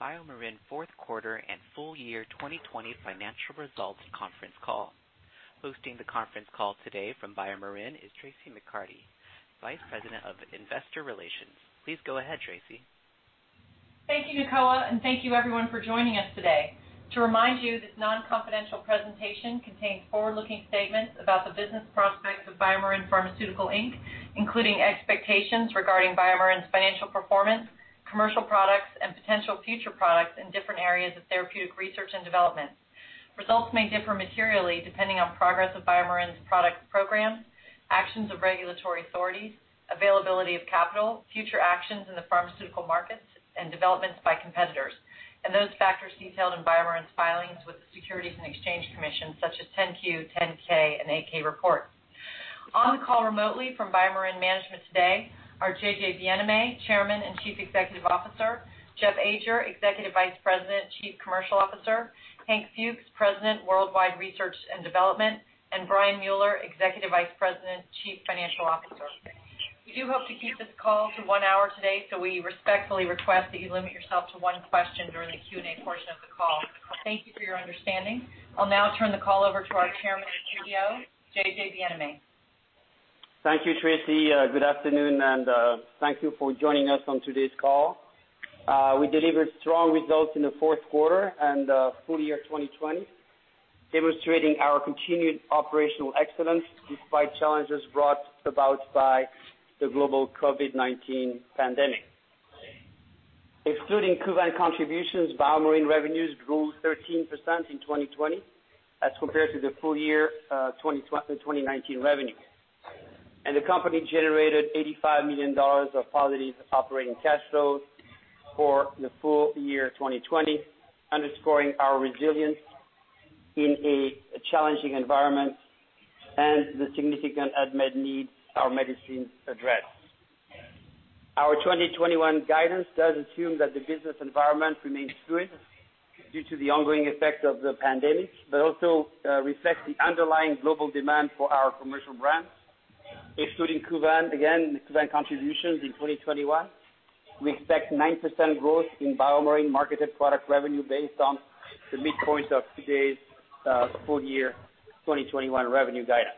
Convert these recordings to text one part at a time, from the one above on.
Welcome to the BioMarin Fourth Quarter and Full Year 2020 Financial Results Conference Call. Hosting the conference call today from BioMarin is Traci McCarty, Vice President of Investor Relations. Please go ahead, Traci. Thank you, Nicoa, and thank you, everyone, for joining us today. To remind you, this non-confidential presentation contains forward-looking statements about the business prospects of BioMarin Pharmaceutical Inc., including expectations regarding BioMarin's financial performance, commercial products, and potential future products in different areas of therapeutic research and development. Results may differ materially depending on progress of BioMarin's product program, actions of regulatory authorities, availability of capital, future actions in the pharmaceutical markets, and developments by competitors, and those factors detailed in BioMarin's filings with the Securities and Exchange Commission, such as 10-Q, 10-K, and 8-K reports. On the call remotely from BioMarin Management today are J.J. Bienaimé, Chairman and Chief Executive Officer, Jeff Ajer, Executive Vice President, Chief Commercial Officer, Hank Fuchs, President, Worldwide Research and Development, and Brian Mueller, Executive Vice President, Chief Financial Officer. We do hope to keep this call to one hour today, so we respectfully request that you limit yourself to one question during the Q&A portion of the call. Thank you for your understanding. I'll now turn the call over to our Chairman and CEO, J.J. Bienaimé. Thank you, Traci. Good afternoon, and thank you for joining us on today's call. We delivered strong results in the fourth quarter and full year 2020, demonstrating our continued operational excellence despite challenges brought about by the global COVID-19 pandemic. Excluding Kuvan contributions, BioMarin revenues grew 13% in 2020 as compared to the full year 2019 revenue, and the company generated $85 million of positive operating cash flow for the full year 2020, underscoring our resilience in a challenging environment and the significant unmet needs our medicines address. Our 2021 guidance does assume that the business environment remains fluid due to the ongoing effects of the pandemic, but also reflects the underlying global demand for our commercial brands, including Kuvan contributions in 2021. We expect 9% growth in BioMarin marketed product revenue based on the midpoint of today's full year 2021 revenue guidance.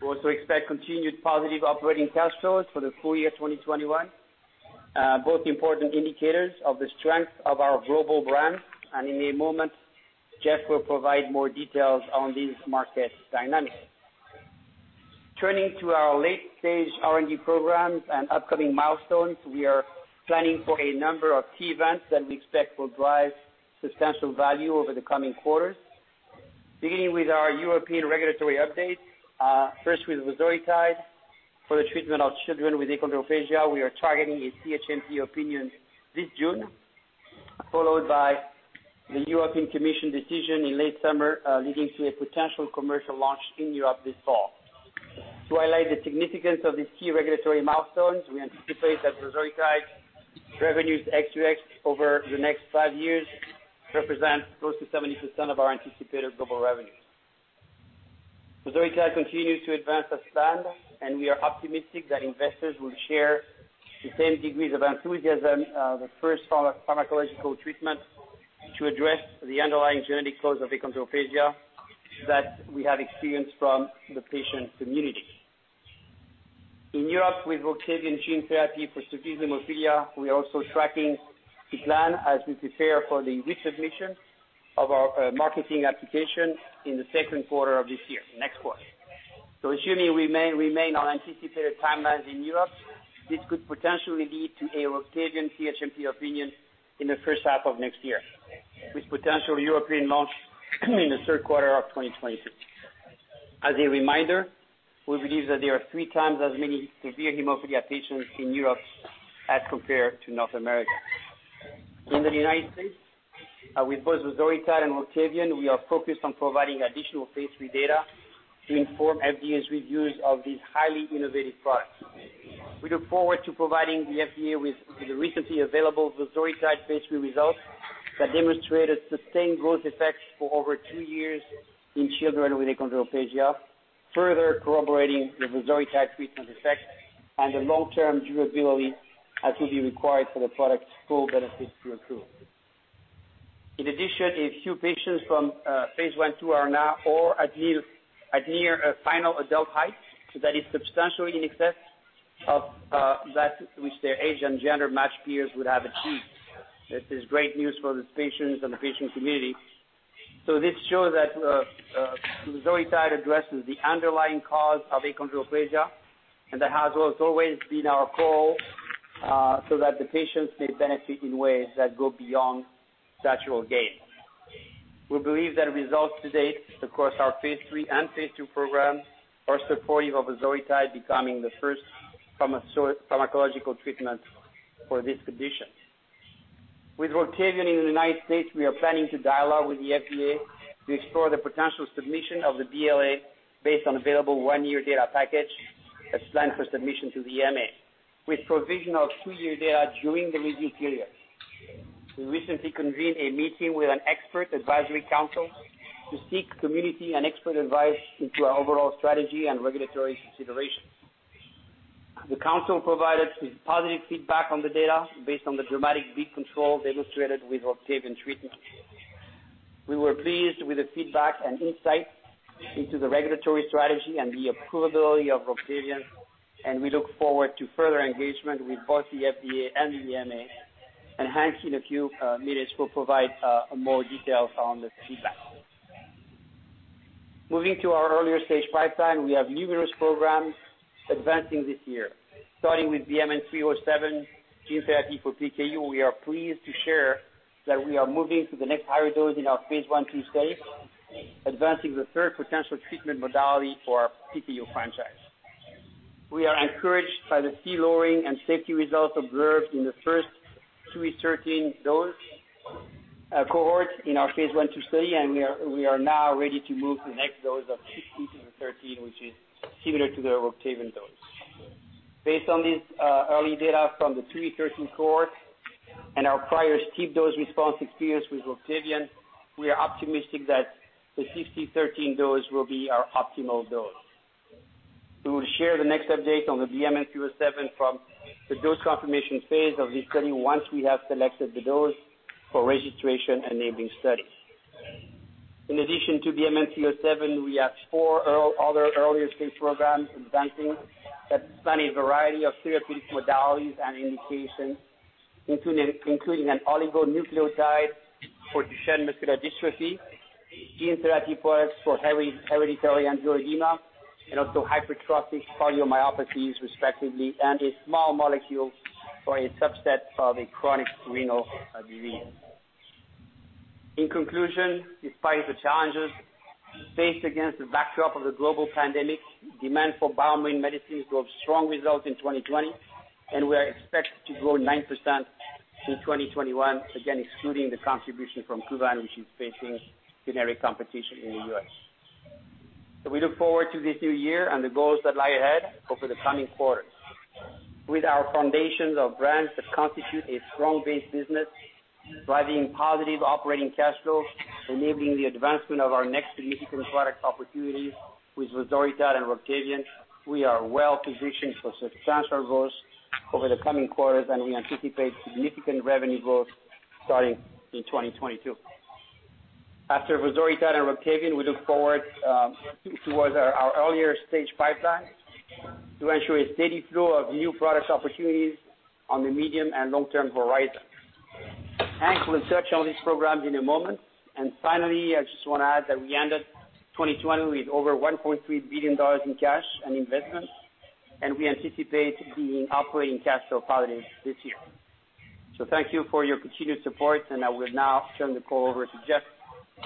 We also expect continued positive operating cash flows for the full year 2021, both important indicators of the strength of our global brand, and in a moment, Jeff will provide more details on these market dynamics. Turning to our late-stage R&D programs and upcoming milestones, we are planning for a number of key events that we expect will drive substantial value over the coming quarters, beginning with our European regulatory update. First, with the vosoritide for the treatment of children with achondroplasia, we are targeting a CHMP opinion this June, followed by the European Commission decision in late summer leading to a potential commercial launch in Europe this fall. To highlight the significance of these key regulatory milestones, we anticipate that the vosoritide revenues ex-U.S. over the next five years represent close to 70% of our anticipated global revenue. The vosoritide continues to advance as planned, and we are optimistic that investors will share the same degrees of enthusiasm as the first pharmacological treatment to address the underlying genetic cause of achondroplasia that we have experienced from the patient community. In Europe, with Roctavian gene therapy for severe hemophilia, we are also tracking the plan as we prepare for the re-submission of our marketing application in the second quarter of this year, next quarter. So assuming we remain on anticipated timelines in Europe, this could potentially lead to a Roctavian CHMP opinion in the first half of next year, with potential European launch in the third quarter of 2022. As a reminder, we believe that there are three times as many severe hemophilia patients in Europe as compared to North America. In the United States, with both the vosoritide and Roctavian, we are focused on providing additional phase III data to inform FDA's reviews of these highly innovative products. We look forward to providing the FDA with the recently available vosoritide phase III results that demonstrate a sustained growth effect for over two years in children with achondroplasia, further corroborating the vosoritide treatment effect and the long-term durability that will be required for the product's full benefits to accrue. In addition, a few patients from phase I/II are now at near final adult height, so that is substantially in excess of that which their age and gender match peers would have achieved. This is great news for these patients and the patient community. This shows that the vosoritide addresses the underlying cause of achondroplasia, and that has always been our goal so that the patients may benefit in ways that go beyond natural gain. We believe that results to date, across our phase III and phase II programs, are supportive of the vosoritide becoming the first pharmacological treatment for this condition. With Roctavian in the United States, we are planning to dialogue with the FDA to explore the potential submission of the BLA based on available one-year data package as planned for submission to the EMA, with provision of two-year data during the review period. We recently convened a meeting with an expert advisory council to seek community and expert advice into our overall strategy and regulatory considerations. The council provided positive feedback on the data based on the dramatic bleed control demonstrated with Roctavian treatment. We were pleased with the feedback and insight into the regulatory strategy and the approval of Roctavian, and we look forward to further engagement with both the FDA and the EMA, and Hank in a few minutes will provide more details on the feedback. Moving to our early-stage pipeline, we have numerous programs advancing this year. Starting with BMN 307, gene therapy for PKU, we are pleased to share that we are moving to the next higher dose in our phase I/2 study, advancing the third potential treatment modality for our PKU franchise. We are encouraged by the Phe lowering and safety results observed in the first 2E13 dose cohort in our phase I/2 study, and we are now ready to move to the next dose of 1E16 to 2E13, which is similar to the Roctavian dose. Based on this early data from the two-week 2E13 cohort and our prior steep dose response experience with Roctavian, we are optimistic that the 6E13 dose will be our optimal dose. We will share the next update on the BMN 307 from the dose confirmation phase of this study once we have selected the dose for registration and enabling studies. In addition to BMN 307, we have four other earlier stage programs advancing that span a variety of therapeutic modalities and indications, including an oligonucleotide for Duchenne muscular dystrophy, gene therapy products for hereditary angioedema, and also hypertrophic cardiomyopathies, respectively, and a small molecule for a subset of a chronic renal disease. In conclusion, despite the challenges faced against the backdrop of the global pandemic, demand for BioMarin medicines drove strong results in 2020, and we are expected to grow 9% in 2021, again excluding the contribution from Kuvan, which is facing generic competition in the U.S. So we look forward to this new year and the goals that lie ahead over the coming quarters. With our foundations of brands that constitute a strong base business, driving positive operating cash flow, enabling the advancement of our next significant product opportunities with vosoritide and Roctavian, we are well positioned for substantial growth over the coming quarters, and we anticipate significant revenue growth starting in 2022. After vosoritide and Roctavian, we look forward towards our earlier stage pipeline to ensure a steady flow of new product opportunities on the medium and long-term horizon. Hank will touch on these programs in a moment. Finally, I just want to add that we ended 2020 with over $1.3 billion in cash and investment, and we anticipate being operating cash flow positive this year. Thank you for your continued support, and I will now turn the call over to Jeff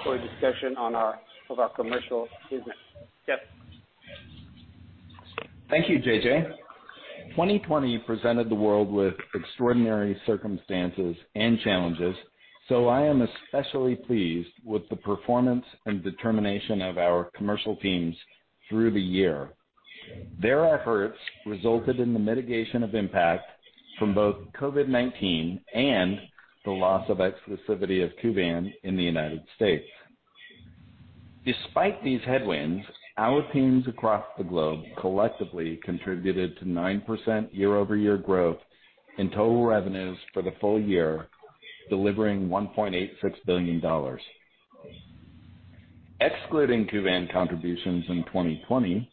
for a discussion of our commercial business. Jeff. Thank you, J.J. 2020 presented the world with extraordinary circumstances and challenges, so I am especially pleased with the performance and determination of our commercial teams through the year. Their efforts resulted in the mitigation of impact from both COVID-19 and the loss of exclusivity of Kuvan in the United States. Despite these headwinds, our teams across the globe collectively contributed to 9% year-over-year growth in total revenues for the full year, delivering $1.86 billion. Excluding Kuvan contributions in 2020,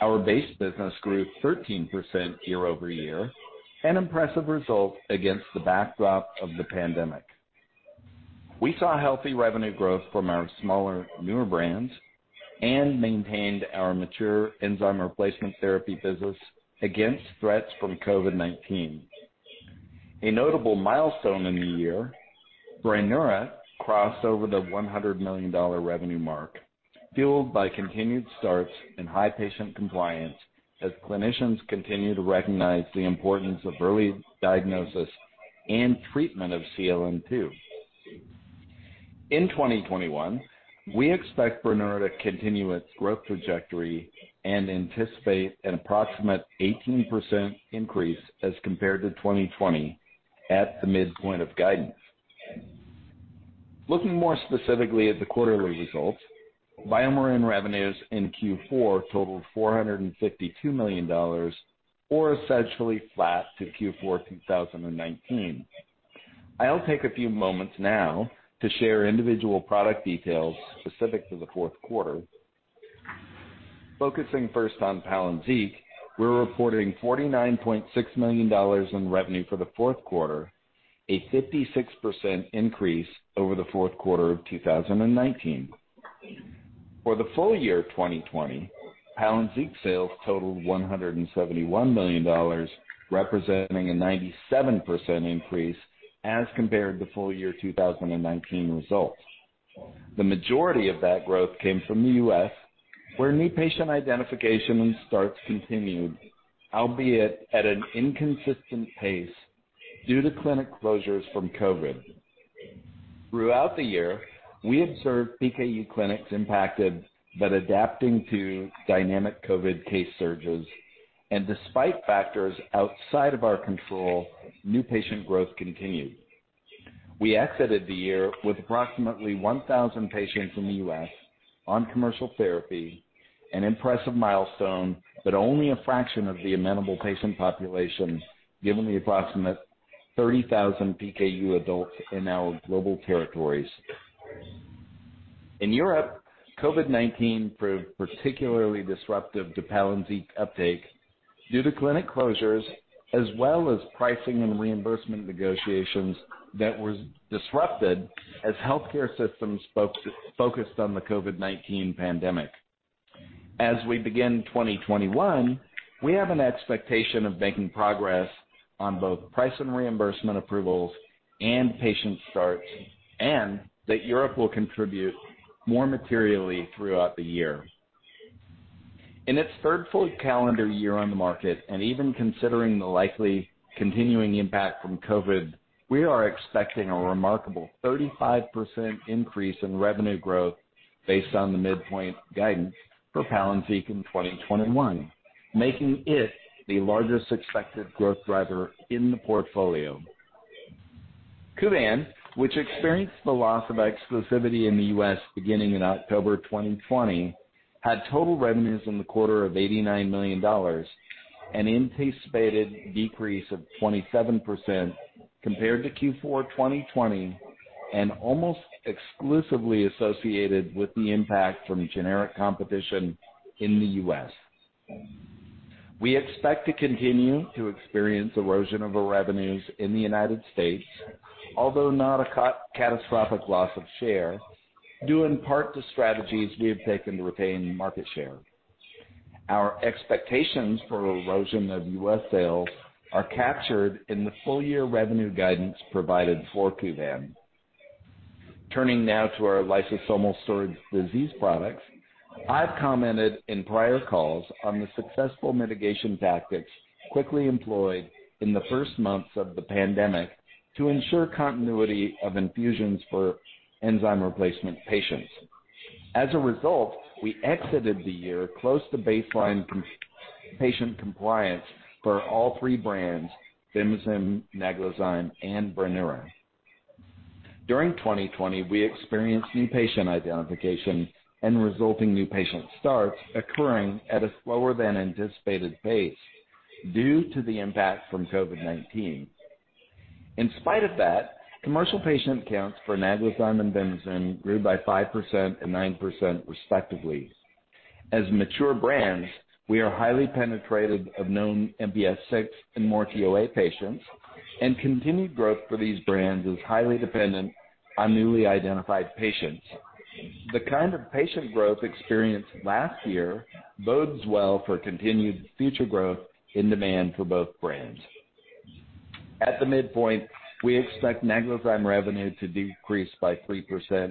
our base business grew 13% year-over-year, an impressive result against the backdrop of the pandemic. We saw healthy revenue growth from our smaller newer brands and maintained our mature enzyme replacement therapy business against threats from COVID-19. A notable milestone in the year, Brineura crossed over the $100 million revenue mark, fueled by continued starts and high patient compliance as clinicians continue to recognize the importance of early diagnosis and treatment of CLN2. In 2021, we expect Brineura to continue its growth trajectory and anticipate an approximate 18% increase as compared to 2020 at the midpoint of guidance. Looking more specifically at the quarterly results, BioMarin revenues in Q4 totaled $452 million, or essentially flat to Q4 2019. I'll take a few moments now to share individual product details specific to the fourth quarter. Focusing first on Palynziq, we're reporting $49.6 million in revenue for the fourth quarter, a 56% increase over the fourth quarter of 2019. For the full year 2020, Palynziq sales totaled $171 million, representing a 97% increase as compared to full year 2019 results. The majority of that growth came from the U.S., where new patient identification and starts continued, albeit at an inconsistent pace due to clinic closures from COVID. Throughout the year, we observed PKU clinics impacted but adapting to dynamic COVID case surges, and despite factors outside of our control, new patient growth continued. We exited the year with approximately 1,000 patients in the U.S. on commercial therapy, an impressive milestone that only a fraction of the amenable patient population given the approximate 30,000 PKU adults in our global territories. In Europe, COVID-19 proved particularly disruptive to Palynziq uptake due to clinic closures, as well as pricing and reimbursement negotiations that were disrupted as healthcare systems focused on the COVID-19 pandemic. As we begin 2021, we have an expectation of making progress on both price and reimbursement approvals and patient starts, and that Europe will contribute more materially throughout the year. In its third full calendar year on the market, and even considering the likely continuing impact from COVID-19, we are expecting a remarkable 35% increase in revenue growth based on the midpoint guidance for Palynziq in 2021, making it the largest expected growth driver in the portfolio. Kuvan, which experienced the loss of exclusivity in the U.S. beginning in October 2020, had total revenues in the quarter of $89 million, an anticipated decrease of 27% compared to Q4 2020, and almost exclusively associated with the impact from generic competition in the U.S. We expect to continue to experience erosion of our revenues in the United States, although not a catastrophic loss of share, due in part to strategies we have taken to retain market share. Our expectations for erosion of U.S. sales are captured in the full year revenue guidance provided for Kuvan. Turning now to our lysosomal storage disease products, I've commented in prior calls on the successful mitigation tactics quickly employed in the first months of the pandemic to ensure continuity of infusions for enzyme replacement patients. As a result, we exited the year close to baseline patient compliance for all three brands, Vimizim, Naglazyme, and Brineura. During 2020, we experienced new patient identification and resulting new patient starts occurring at a slower than anticipated pace due to the impact from COVID-19. In spite of that, commercial patient counts for Naglazyme and Vimizim grew by 5% and 9%, respectively. As mature brands, we are highly penetrated of known MPS VI and Morquio A patients, and continued growth for these brands is highly dependent on newly identified patients. The kind of patient growth experienced last year bodes well for continued future growth in demand for both brands. At the midpoint, we expect Naglazyme revenue to decrease by 3%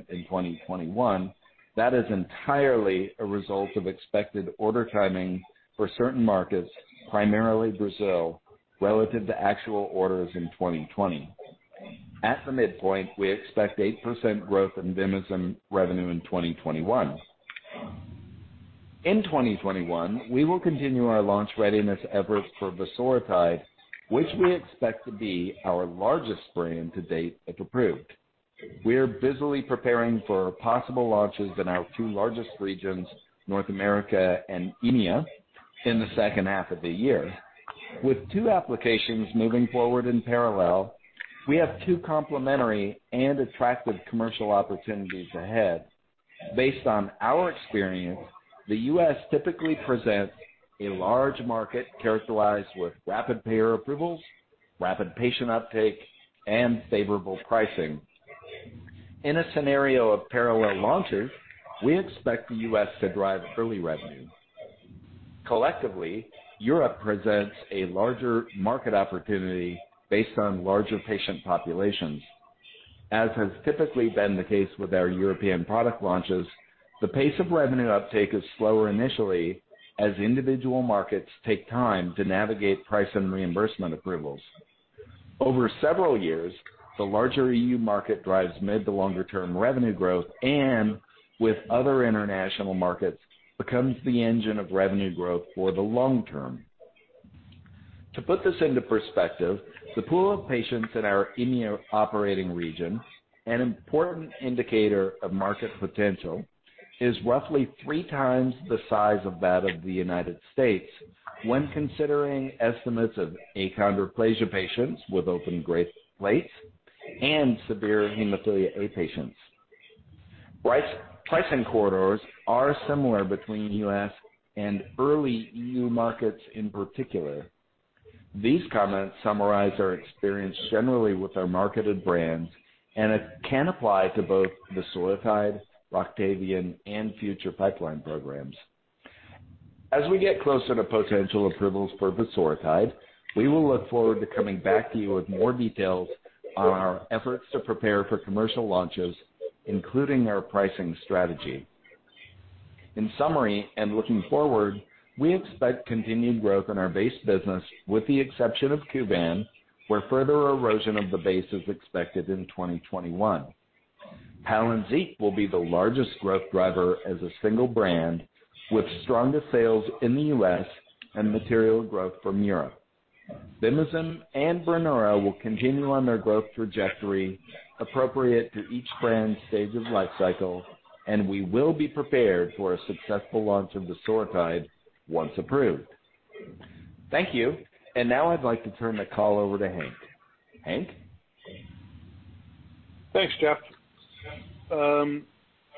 in 2021. That is entirely a result of expected order timing for certain markets, primarily Brazil, relative to actual orders in 2020. At the midpoint, we expect 8% growth in Vimizim revenue in 2021. In 2021, we will continue our launch readiness efforts for vosoritide, which we expect to be our largest brand to date if approved. We are busily preparing for possible launches in our two largest regions, North America and EMEA, in the second half of the year. With two applications moving forward in parallel, we have two complementary and attractive commercial opportunities ahead. Based on our experience, the U.S. typically presents a large market characterized with rapid payer approvals, rapid patient uptake, and favorable pricing. In a scenario of parallel launches, we expect the U.S. to drive early revenue. Collectively, Europe presents a larger market opportunity based on larger patient populations. As has typically been the case with our European product launches, the pace of revenue uptake is slower initially as individual markets take time to navigate price and reimbursement approvals. Over several years, the larger E.U. market drives mid to longer-term revenue growth, and with other international markets, becomes the engine of revenue growth for the long term. To put this into perspective, the pool of patients in our EMEA operating region, an important indicator of market potential, is roughly three times the size of that of the United States when considering estimates of achondroplasia patients with open growth plates and hemophilia A patients. Pricing corridors are similar between U.S. and early E.U. markets in particular. These comments summarize our experience generally with our marketed brands, and it can apply to both vosoritide, Roctavian, and future pipeline programs. As we get closer to potential approvals for vosoritide, we will look forward to coming back to you with more details on our efforts to prepare for commercial launches, including our pricing strategy. In summary and looking forward, we expect continued growth in our base business, with the exception of Kuvan, where further erosion of the base is expected in 2021. Palynziq will be the largest growth driver as a single brand, with strongest sales in the U.S. and material growth from Europe. Vimizim and Brineura will continue on their growth trajectory appropriate to each brand's stage of life cycle, and we will be prepared for a successful launch of vosoritide once approved. Thank you, and now I'd like to turn the call over to Hank. Hank. Thanks, Jeff,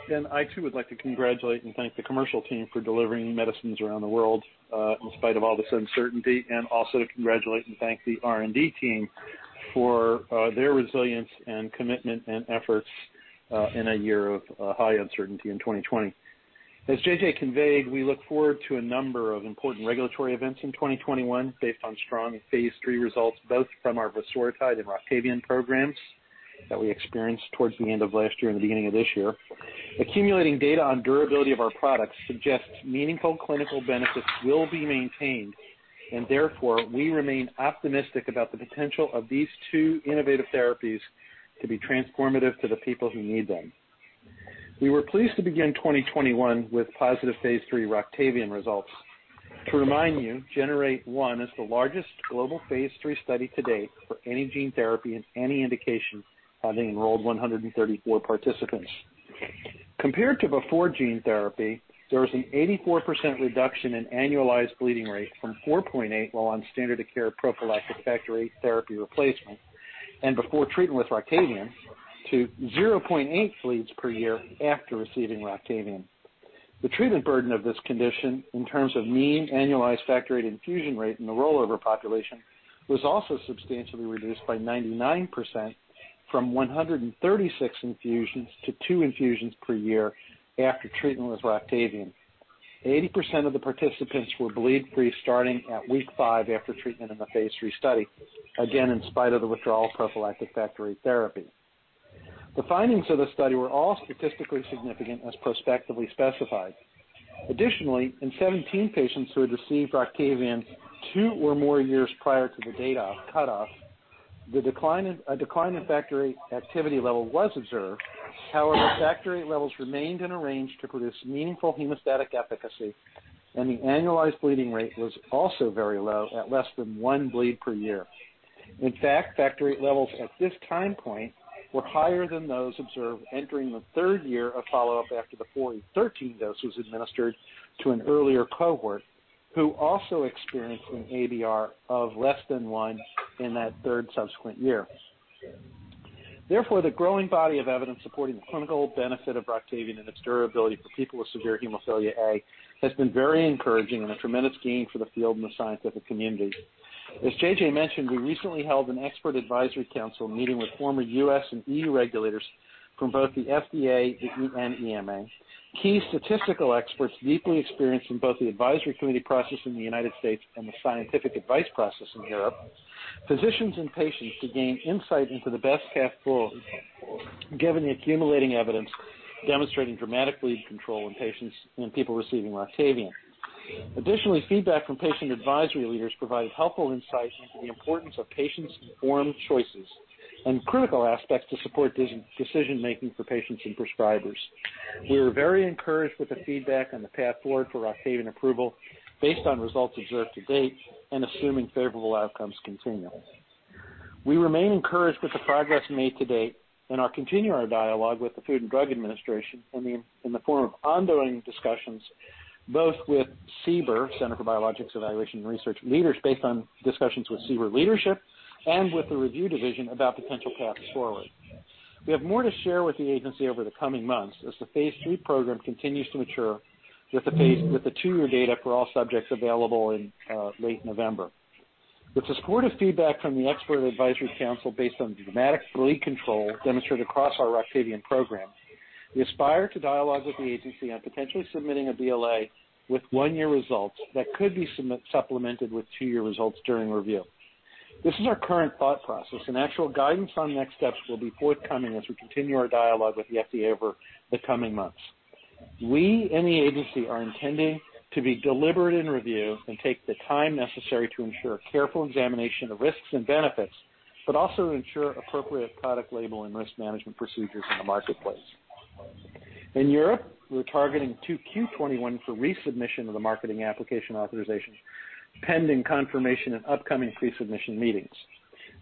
and I too would like to congratulate and thank the commercial team for delivering medicines around the world in spite of all this uncertainty, and also to congratulate and thank the R&D team for their resilience and commitment and efforts in a year of high uncertainty in 2020. As J.J. conveyed, we look forward to a number of important regulatory events in 2021 based on strong phase III results, both from our vosoritide and Roctavian programs that we experienced towards the end of last year and the beginning of this year. Accumulating data on durability of our products suggests meaningful clinical benefits will be maintained, and therefore we remain optimistic about the potential of these two innovative therapies to be transformative to the people who need them. We were pleased to begin 2021 with positive phase III Roctavian results. To remind you, GENEr8-1 is the largest global phase III study to date for any gene therapy and any indication having enrolled 134 participants. Compared to before gene therapy, there was an 84% reduction in annualized bleeding rate from 4.8 while on standard of care prophylactic factor VIII therapy replacement and before treatment with Roctavian to 0.8 bleeds per year after receiving Roctavian. The treatment burden of this condition in terms of mean annualized factor VIII infusion rate in the rollover population was also substantially reduced by 99% from 136 infusions to two infusions per year after treatment with Roctavian. 80% of the participants were bleed-free starting at week five after treatment in the phase III study, again in spite of the withdrawal prophylactic factor VIII therapy. The findings of the study were all statistically significant, as prospectively specified. Additionally, in 17 patients who had received Roctavian two or more years prior to the data cutoff, a decline in factor VIII activity level was observed. However, factor VIII levels remained in a range to produce meaningful hemostatic efficacy, and the annualized bleeding rate was also very low at less than one bleed per year. In fact, factor VIII levels at this time point were higher than those observed entering the third year of follow-up after the 6E13 dose was administered to an earlier cohort who also experienced an ABR of less than one in that third subsequent year. Therefore, the growing body of evidence supporting the clinical benefit of Roctavian and its durability for people with hemophilia A has been very encouraging and a tremendous gain for the field and the scientific community. As J.J. mentioned, we recently held an expert advisory council meeting with former U.S. and E.U. regulators from both the FDA and EMA, key statistical experts deeply experienced in both the advisory committee process in the United States and the scientific advice process in Europe, physicians and patients to gain insight into the best-case scenario given the accumulating evidence demonstrating dramatic bleed control in patients and people receiving Roctavian. Additionally, feedback from patient advisory leaders provided helpful insight into the importance of patient-informed choices and critical aspects to support decision-making for patients and prescribers. We are very encouraged with the feedback on the path forward for Roctavian approval based on results observed to date and assuming favorable outcomes continue. We remain encouraged with the progress made to date and are continuing our dialogue with the Food and Drug Administration in the form of ongoing discussions both with CBER, Center for Biologics Evaluation and Research, leaders, based on discussions with CBER leadership, and with the review division about potential paths forward. We have more to share with the agency over the coming months as the phase III program continues to mature with the two-year data for all subjects available in late November. With the supportive feedback from the expert advisory council based on dramatic bleed control demonstrated across our Roctavian program, we aspire to dialogue with the agency on potentially submitting a BLA with one-year results that could be supplemented with two-year results during review. This is our current thought process, and actual guidance on next steps will be forthcoming as we continue our dialogue with the FDA over the coming months. We and the agency are intending to be deliberate in review and take the time necessary to ensure careful examination of risks and benefits, but also ensure appropriate product label and risk management procedures in the marketplace. In Europe, we're targeting Q1 2022 for resubmission of the marketing application authorizations pending confirmation and upcoming pre-submission meetings.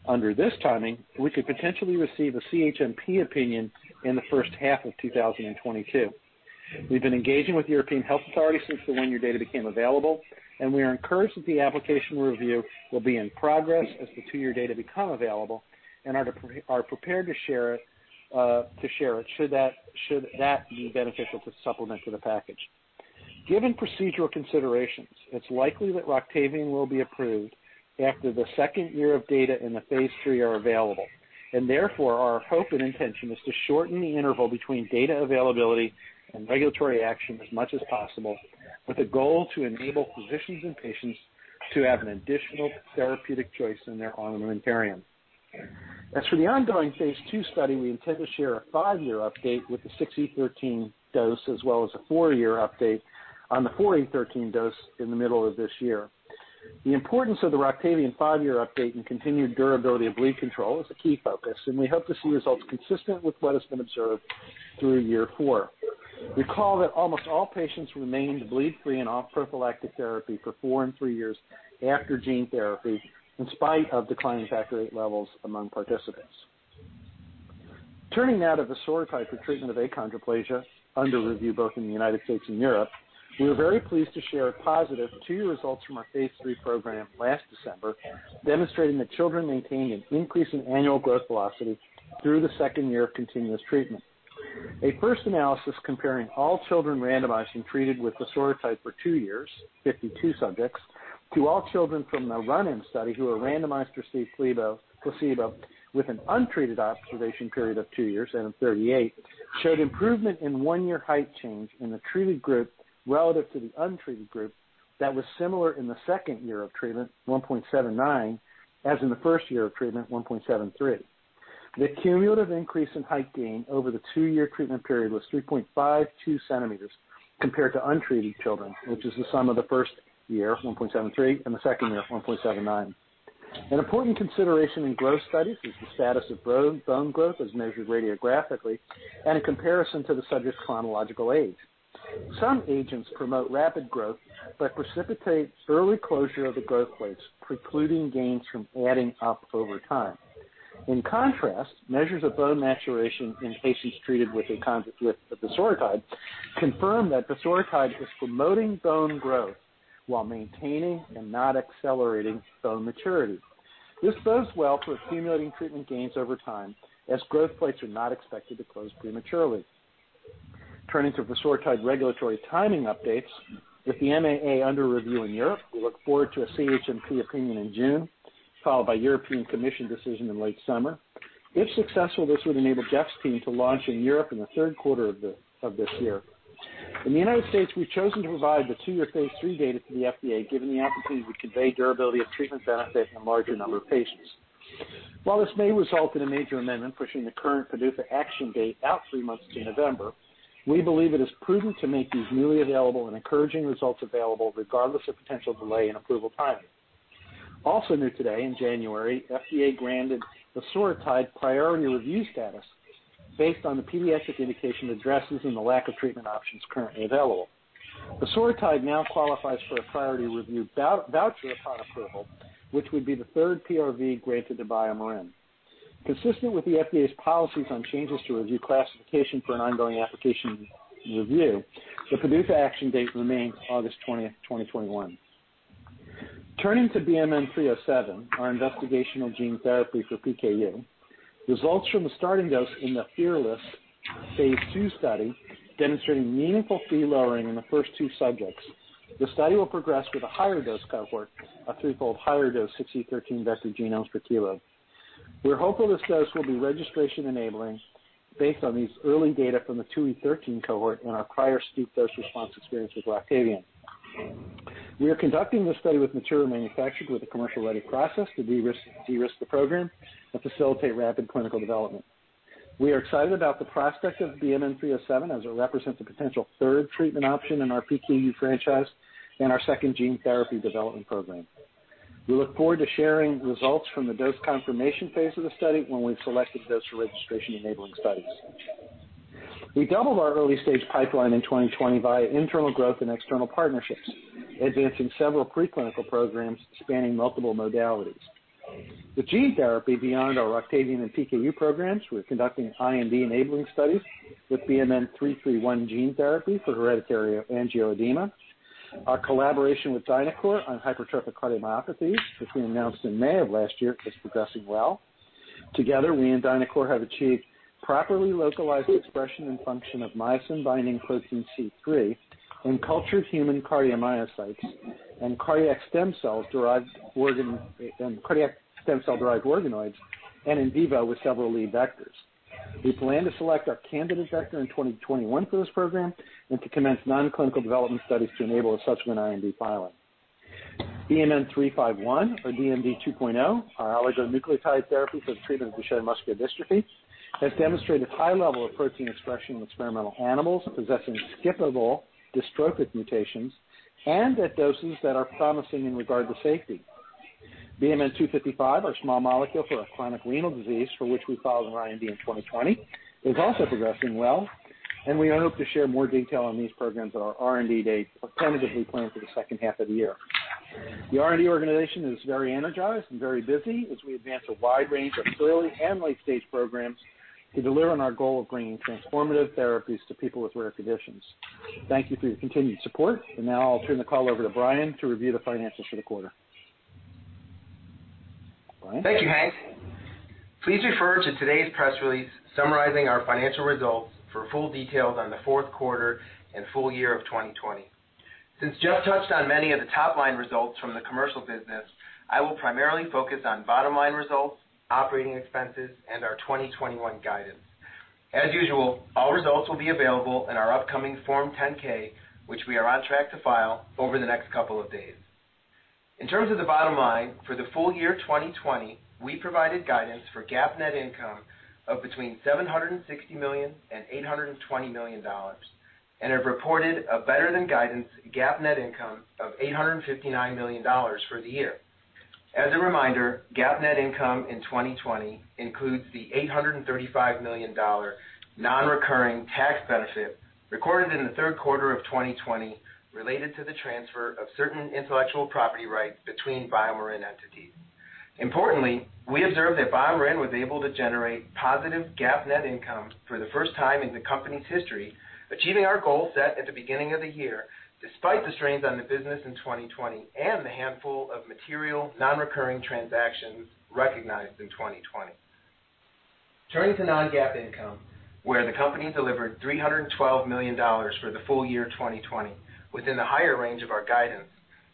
Under this timing, we could potentially receive a CHMP opinion in the first half of 2022. We've been engaging with European health authorities since the one-year data became available, and we are encouraged that the application review will be in progress as the two-year data become available and are prepared to share it should that be beneficial to supplement to the package. Given procedural considerations, it's likely that Roctavian will be approved after the second year of data in the phase III are available, and therefore our hope and intention is to shorten the interval between data availability and regulatory action as much as possible with a goal to enable physicians and patients to have an additional therapeutic choice in their armamentarium. As for the ongoing phase II study, we intend to share a five-year update with the 6E13 dose as well as a four-year update on the 4E13 dose in the middle of this year. The importance of the Roctavian five-year update and continued durability of bleed control is a key focus, and we hope to see results consistent with what has been observed through year four. Recall that almost all patients remained bleed-free and off prophylactic therapy for four and three years after gene therapy in spite of declining factor VIII levels among participants. Turning now to vosoritide for treatment of achondroplasia under review both in the United States and Europe, we are very pleased to share positive two-year results from our phase III program last December demonstrating that children maintained an increase in annual growth velocity through the second year of continuous treatment. A first analysis comparing all children randomized and treated with vosoritide for two years, 52 subjects, to all children from the run-in study who were randomized to receive placebo with an untreated observation period of two years and of 38 showed improvement in one-year height change in the treated group relative to the untreated group that was similar in the second year of treatment, 1.79, as in the first year of treatment, 1.73. The cumulative increase in height gain over the two-year treatment period was 3.52 centimeters compared to untreated children, which is the sum of the first year, 1.73, and the second year, 1.79. An important consideration in growth studies is the status of bone growth as measured radiographically and in comparison to the subject's chronological age. Some agents promote rapid growth but precipitate early closure of the growth plates, precluding gains from adding up over time. In contrast, measures of bone maturation in patients treated with vosoritide confirm that vosoritide is promoting bone growth while maintaining and not accelerating bone maturity. This bodes well for accumulating treatment gains over time as growth plates are not expected to close prematurely. Turning to vosoritide regulatory timing updates, with the MAA under review in Europe, we look forward to a CHMP opinion in June, followed by European Commission decision in late summer. If successful, this would enable Jeff's team to launch in Europe in the third quarter of this year. In the United States, we've chosen to provide the two-year phase III data to the FDA given the opportunity to convey durability of treatment benefit in a larger number of patients. While this may result in a major amendment pushing the current PDUFA action date out three months to November, we believe it is prudent to make these newly available and encouraging results available regardless of potential delay in approval timing. Also new today, in January, FDA granted vosoritide priority review status based on the pediatric indication that addresses and the lack of treatment options currently available. vosoritide now qualifies for a priority review voucher upon approval, which would be the third PRV granted to BioMarin. Consistent with the FDA's policies on changes to review classification for an ongoing application review, the PDUFA action date remains August 20th, 2021. Turning to BMN 307, our investigational gene therapy for PKU, results from the starting dose in the phase I/2 study demonstrating meaningful Phe lowering in the first two subjects. The study will progress with a higher dose cohort, a threefold higher dose 6E13 vector genomes per kg. We're hopeful this dose will be registration-enabling based on these early data from the 2E13 cohort and our prior steep dose response experience with Roctavian. We are conducting this study with material manufactured with a commercial-ready process to de-risk the program and facilitate rapid clinical development. We are excited about the prospect of BMN 307 as it represents a potential third treatment option in our PKU franchise and our second gene therapy development program. We look forward to sharing results from the dose confirmation phase of the study when we've selected dose for registration-enabling studies. We doubled our early-stage pipeline in 2020 via internal growth and external partnerships, advancing several preclinical programs spanning multiple modalities. With gene therapy beyond our Roctavian and PKU programs, we're conducting IND-enabling studies with BMN 331 gene therapy for hereditary angioedema. Our collaboration with DiNAQOR on hypertrophic cardiomyopathies, which we announced in May of last year, is progressing well. Together, we and DiNAQOR have achieved properly localized expression and function of myosin-binding protein C3 in cultured human cardiomyocytes and cardiac stem cell-derived organoids and in vivo with several lead vectors. We plan to select our candidate vector in 2021 for this program and to commence non-clinical development studies to enable a subsequent IND filing. BMN 351, or DMD 2.0, our oligonucleotide therapy for the treatment of Duchenne muscular dystrophy, has demonstrated high levels of protein expression in experimental animals possessing skippable dystrophic mutations and at doses that are promising in regard to safety. BMN 255, our small molecule for a chronic renal disease for which we filed an IND in 2020, is also progressing well, and we are hoping to share more detail on these programs at our R&D Day tentatively planned for the second half of the year. The R&D organization is very energized and very busy as we advance a wide range of early and late-stage programs to deliver on our goal of bringing transformative therapies to people with rare conditions. Thank you for your continued support, and now I'll turn the call over to Brian to review the financials for the quarter. Brian. Thank you, Hank. Please refer to today's press release summarizing our financial results for full details on the fourth quarter and full year of 2020. Since Jeff touched on many of the top-line results from the commercial business, I will primarily focus on bottom-line results, operating expenses, and our 2021 guidance. As usual, all results will be available in our upcoming Form 10-K, which we are on track to file over the next couple of days. In terms of the bottom line, for the full year 2020, we provided guidance for GAAP net income of between $760 million and $820 million and have reported a better-than-guidance GAAP net income of $859 million for the year. As a reminder, GAAP net income in 2020 includes the $835 million non-recurring tax benefit recorded in the third quarter of 2020 related to the transfer of certain intellectual property rights between BioMarin entities. Importantly, we observed that BioMarin was able to generate positive GAAP net income for the first time in the company's history, achieving our goal set at the beginning of the year despite the strains on the business in 2020 and the handful of material non-recurring transactions recognized in 2020. Turning to Non-GAAP income, where the company delivered $312 million for the full year 2020 within the higher range of our guidance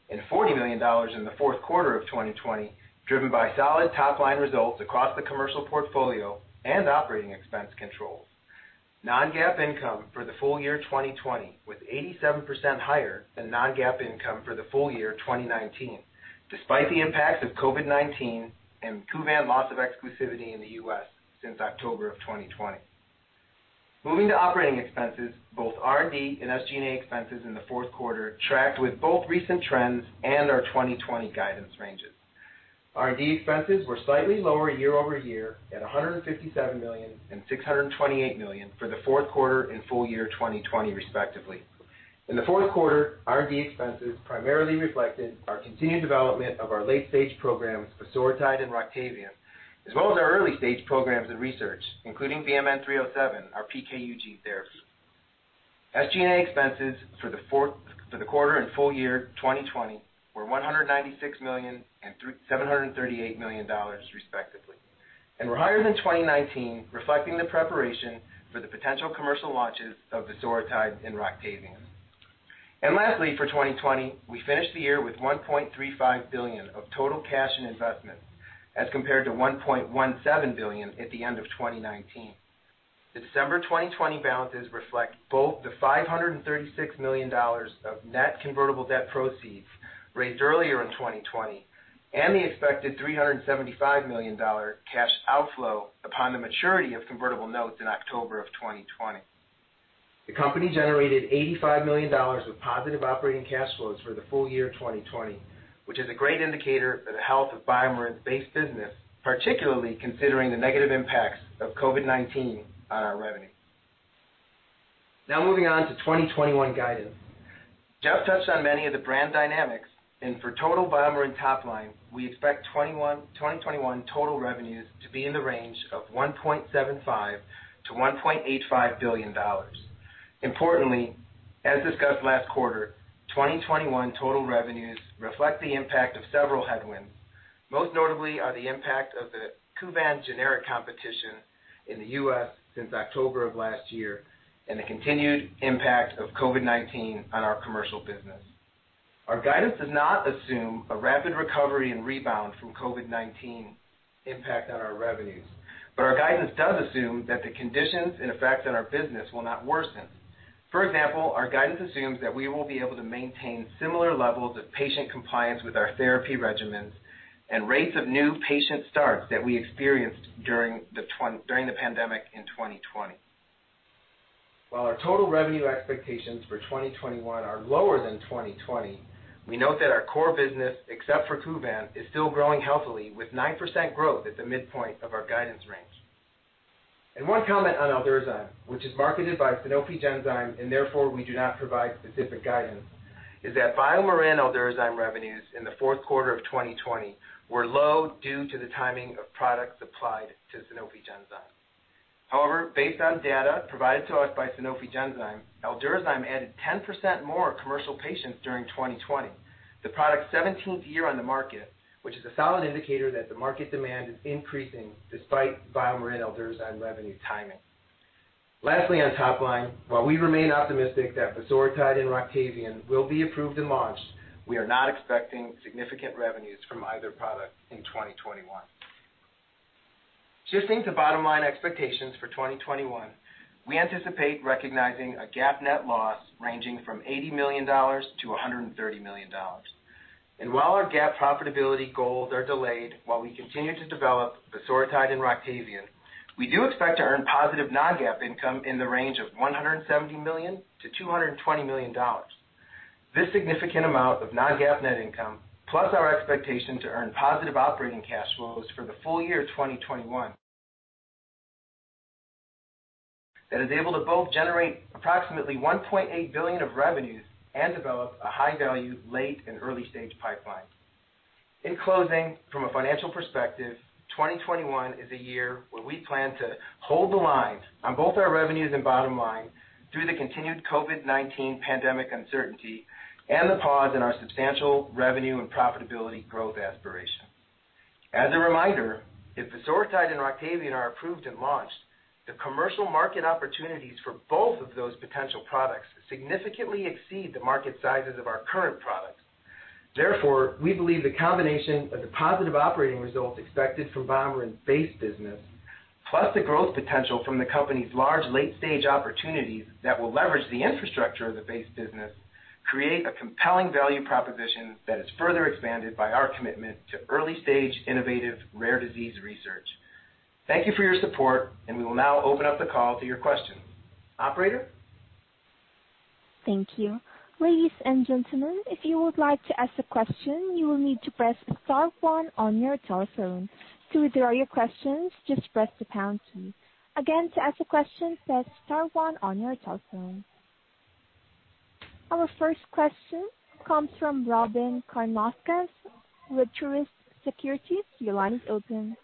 and $40 million in the fourth quarter of 2020, driven by solid top-line results across the commercial portfolio and operating expense controls. Non-GAAP income for the full year 2020 was 87% higher than Non-GAAP income for the full year 2019, despite the impacts of COVID-19 and Kuvan loss of exclusivity in the U.S. since October of 2020. Moving to operating expenses, both R&D and SG&A expenses in the fourth quarter tracked with both recent trends and our 2020 guidance ranges. R&D expenses were slightly lower year-over-year at $157 million and $628 million for the fourth quarter and full year 2020, respectively. In the fourth quarter, R&D expenses primarily reflected our continued development of our late-stage programs, vosoritide and Roctavian, as well as our early-stage programs and research, including BMN 307, our PKU gene therapy. SG&A expenses for the quarter and full year 2020 were $196 million and $738 million, respectively, and were higher than 2019, reflecting the preparation for the potential commercial launches of vosoritide and Roctavian. Lastly, for 2020, we finished the year with $1.35 billion of total cash and investment as compared to $1.17 billion at the end of 2019. The December 2020 balances reflect both the $536 million of net convertible debt proceeds raised earlier in 2020 and the expected $375 million cash outflow upon the maturity of convertible notes in October of 2020. The company generated $85 million of positive operating cash flows for the full year 2020, which is a great indicator of the health of BioMarin's base business, particularly considering the negative impacts of COVID-19 on our revenue. Now moving on to 2021 guidance. Jeff touched on many of the brand dynamics, and for total BioMarin top line, we expect 2021 total revenues to be in the range of $1.75-$1.85 billion. Importantly, as discussed last quarter, 2021 total revenues reflect the impact of several headwinds, most notably the impact of the Kuvan generic competition in the U.S. since October of last year and the continued impact of COVID-19 on our commercial business. Our guidance does not assume a rapid recovery and rebound from COVID-19 impact on our revenues, but our guidance does assume that the conditions and effects on our business will not worsen. For example, our guidance assumes that we will be able to maintain similar levels of patient compliance with our therapy regimens and rates of new patient starts that we experienced during the pandemic in 2020. While our total revenue expectations for 2021 are lower than 2020, we note that our core business, except for Kuvan, is still growing healthily with 9% growth at the midpoint of our guidance range. And one comment on Aldurazyme, which is marketed by Sanofi Genzyme and therefore we do not provide specific guidance, is that BioMarin Aldurazyme revenues in the fourth quarter of 2020 were low due to the timing of products applied to Sanofi Genzyme. However, based on data provided to us by Sanofi Genzyme, Aldurazyme added 10% more commercial patients during 2020, the product's 17th year on the market, which is a solid indicator that the market demand is increasing despite BioMarin Aldurazyme revenue timing. Lastly, on top line, while we remain optimistic that vosoritide and Roctavian will be approved and launched, we are not expecting significant revenues from either product in 2021. Shifting to bottom line expectations for 2021, we anticipate recognizing a GAAP net loss ranging from $80 million-$130 million, while our GAAP profitability goals are delayed while we continue to develop vosoritide and Roctavian, we do expect to earn positive Non-GAAP income in the range of $170 million-$220 million. This significant amount of Non-GAAP net income plus our expectation to earn positive operating cash flows for the full year 2021 that is able to both generate approximately $1.8 billion of revenues and develop a high-value late and early-stage pipeline. In closing, from a financial perspective, 2021 is a year where we plan to hold the line on both our revenues and bottom line through the continued COVID-19 pandemic uncertainty and the pause in our substantial revenue and profitability growth aspiration. As a reminder, if vosoritide and Roctavian are approved and launched, the commercial market opportunities for both of those potential products significantly exceed the market sizes of our current products. Therefore, we believe the combination of the positive operating results expected from BioMarin's base business plus the growth potential from the company's large late-stage opportunities that will leverage the infrastructure of the base business create a compelling value proposition that is further expanded by our commitment to early-stage innovative rare disease research. Thank you for your support, and we will now open up the call to your questions. Operator? Thank you. Ladies and gentlemen, if you would like to ask a question, you will need to press star one on your telephone. To withdraw your questions, just press the pound key. Again, to ask a question, press star one on your telephone. Our first question comes from Robyn Karnauskas with Truist Securities. Your line is open.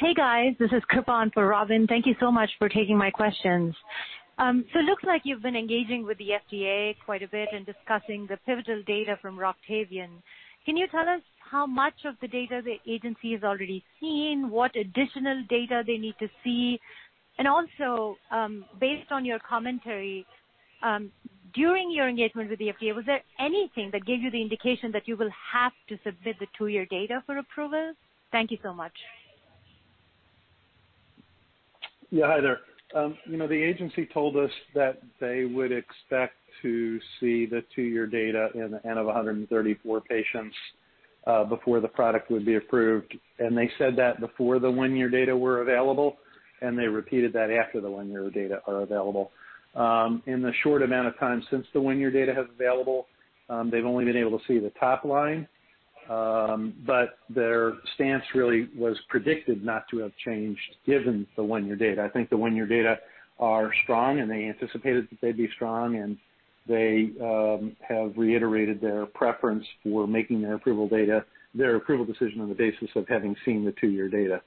Hey, guys. This is Kripa on for Robyn. Thank you so much for taking my questions. So it looks like you've been engaging with the FDA quite a bit and discussing the pivotal data from Roctavian. Can you tell us how much of the data the agency has already seen, what additional data they need to see? And also, based on your commentary, during your engagement with the FDA, was there anything that gave you the indication that you will have to submit the two-year data for approval? Thank you so much. Yeah, hi there. The agency told us that they would expect to see the two-year data in the hands of 134 patients before the product would be approved. And they said that before the one-year data were available, and they repeated that after the one-year data are available. In the short amount of time since the one-year data has been available, they've only been able to see the top line, but their stance really was predicted not to have changed given the one-year data. I think the one-year data are strong, and they anticipated that they'd be strong, and they have reiterated their preference for making their approval decision on the basis of having seen the two-year data.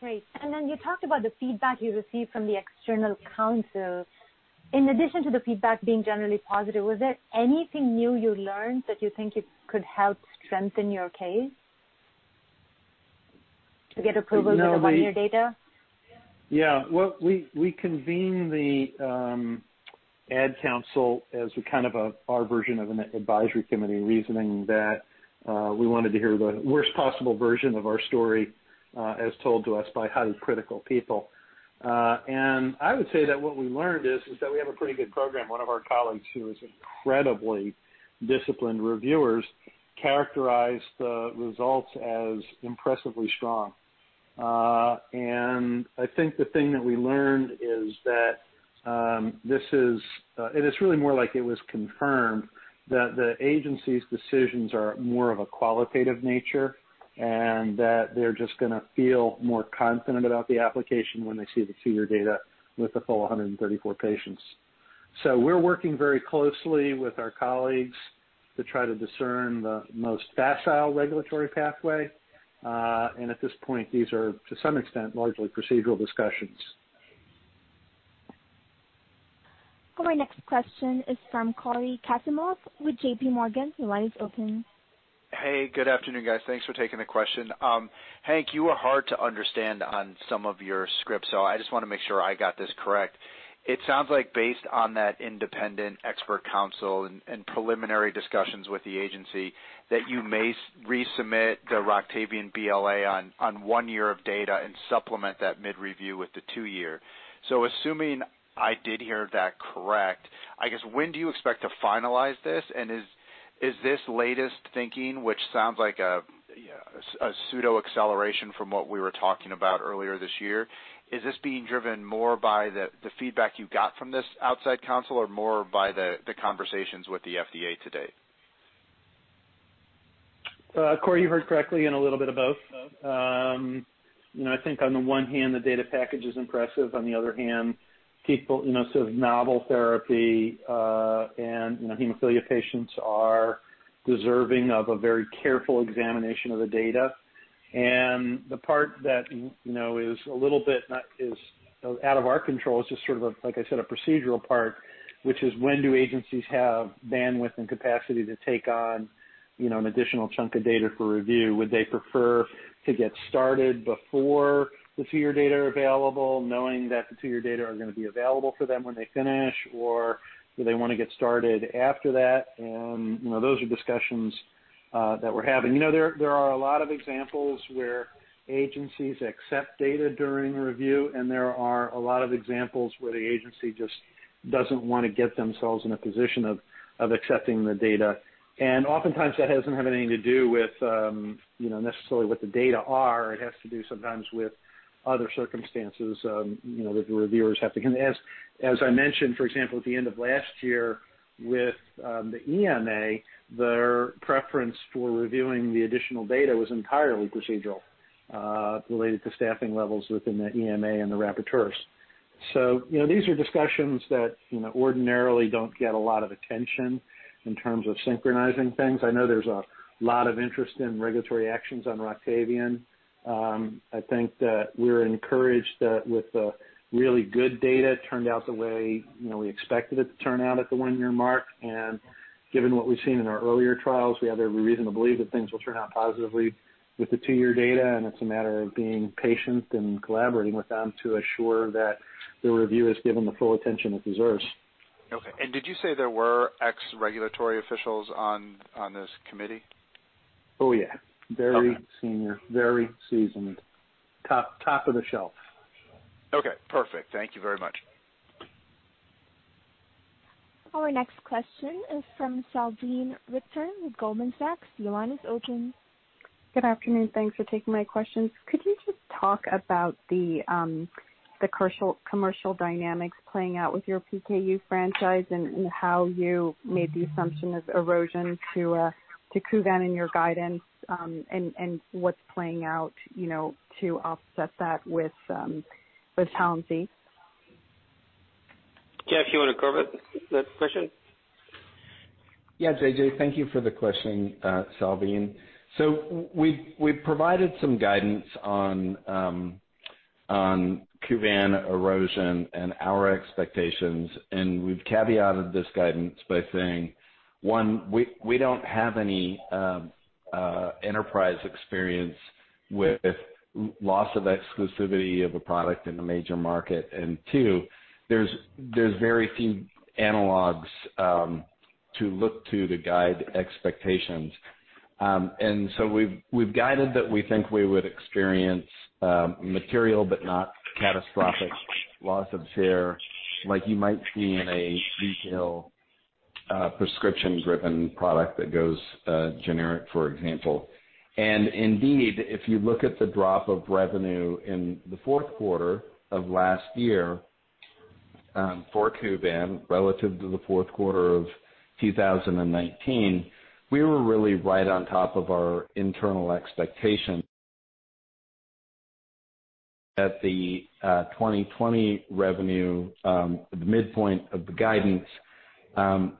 Great. And then you talked about the feedback you received from the external council. In addition to the feedback being generally positive, was there anything new you learned that you think could help strengthen your case to get approval for the one-year data? Yeah. Well, we convened the ad comm as kind of our version of an advisory committee, reasoning that we wanted to hear the worst possible version of our story as told to us by highly critical people. I would say that what we learned is that we have a pretty good program. One of our colleagues, who is incredibly disciplined reviewer, characterized the results as impressively strong. I think the thing that we learned is that this is, and it's really more like it was confirmed, that the agency's decisions are more of a qualitative nature and that they're just going to feel more confident about the application when they see the two-year data with the full 134 patients. We're working very closely with our colleagues to try to discern the most facile regulatory pathway. At this point, these are, to some extent, largely procedural discussions. Our next question is from Cory Kasimov with JPMorgan. Your line is open. Hey, good afternoon, guys. Thanks for taking the question. Hank, you were hard to understand on some of your script, so I just want to make sure I got this correct. It sounds like, based on that independent expert council and preliminary discussions with the agency, that you may resubmit the Roctavian BLA on one year of data and supplement that mid-review with the two-year. So assuming I did hear that correct, I guess, when do you expect to finalize this? And is this latest thinking, which sounds like a pseudo acceleration from what we were talking about earlier this year, is this being driven more by the feedback you got from this outside council or more by the conversations with the FDA to date? Cory, you heard correctly. It's a little bit of both. I think, on the one hand, the data package is impressive. On the other hand, sort of novel therapy and hemophilia patients are deserving of a very careful examination of the data, and the part that is a little bit out of our control is just sort of, like I said, a procedural part, which is when do agencies have bandwidth and capacity to take on an additional chunk of data for review? Would they prefer to get started before the two-year data are available, knowing that the two-year data are going to be available for them when they finish, or do they want to get started after that? And those are discussions that we're having. There are a lot of examples where agencies accept data during review, and there are a lot of examples where the agency just doesn't want to get themselves in a position of accepting the data. And oftentimes, that doesn't have anything to do with necessarily what the data are. It has to do sometimes with other circumstances that the reviewers have to, as I mentioned, for example, at the end of last year with the EMA, their preference for reviewing the additional data was entirely procedural related to staffing levels within the EMA and the rapporteurs. So these are discussions that ordinarily don't get a lot of attention in terms of synchronizing things. I know there's a lot of interest in regulatory actions on Roctavian. I think that we're encouraged that with the really good data turned out the way we expected it to turn out at the one-year mark. And given what we've seen in our earlier trials, we have every reason to believe that things will turn out positively with the two-year data. It's a matter of being patient and collaborating with them to assure that the review is given the full attention it deserves. Okay. And did you say there were ex-regulatory officials on this committee? Oh, yeah. Very senior. Very seasoned. Top of the shelf. Okay. Perfect. Thank you very much. Our next question is from Salveen Richter with Goldman Sachs. Your line is open. Good afternoon. Thanks for taking my questions. Could you just talk about the commercial dynamics playing out with your PKU franchise and how you made the assumption of erosion to Kuvan in your guidance and what's playing out to offset that with Palynziq? Jeff, you want to cover that question? Yeah, JJ, thank you for the question, Salveen. So we provided some guidance on Kuvan erosion and our expectations, and we've caveated this guidance by saying, one, we don't have any enterprise experience with loss of exclusivity of a product in a major market, and two, there's very few analogs to look to to guide expectations. And so we've guided that we think we would experience material but not catastrophic loss of share like you might see in a retail prescription-driven product that goes generic, for example. And indeed, if you look at the drop of revenue in the fourth quarter of last year for Kuvan relative to the fourth quarter of 2019, we were really right on top of our internal expectation at the 2020 revenue, the midpoint of the guidance.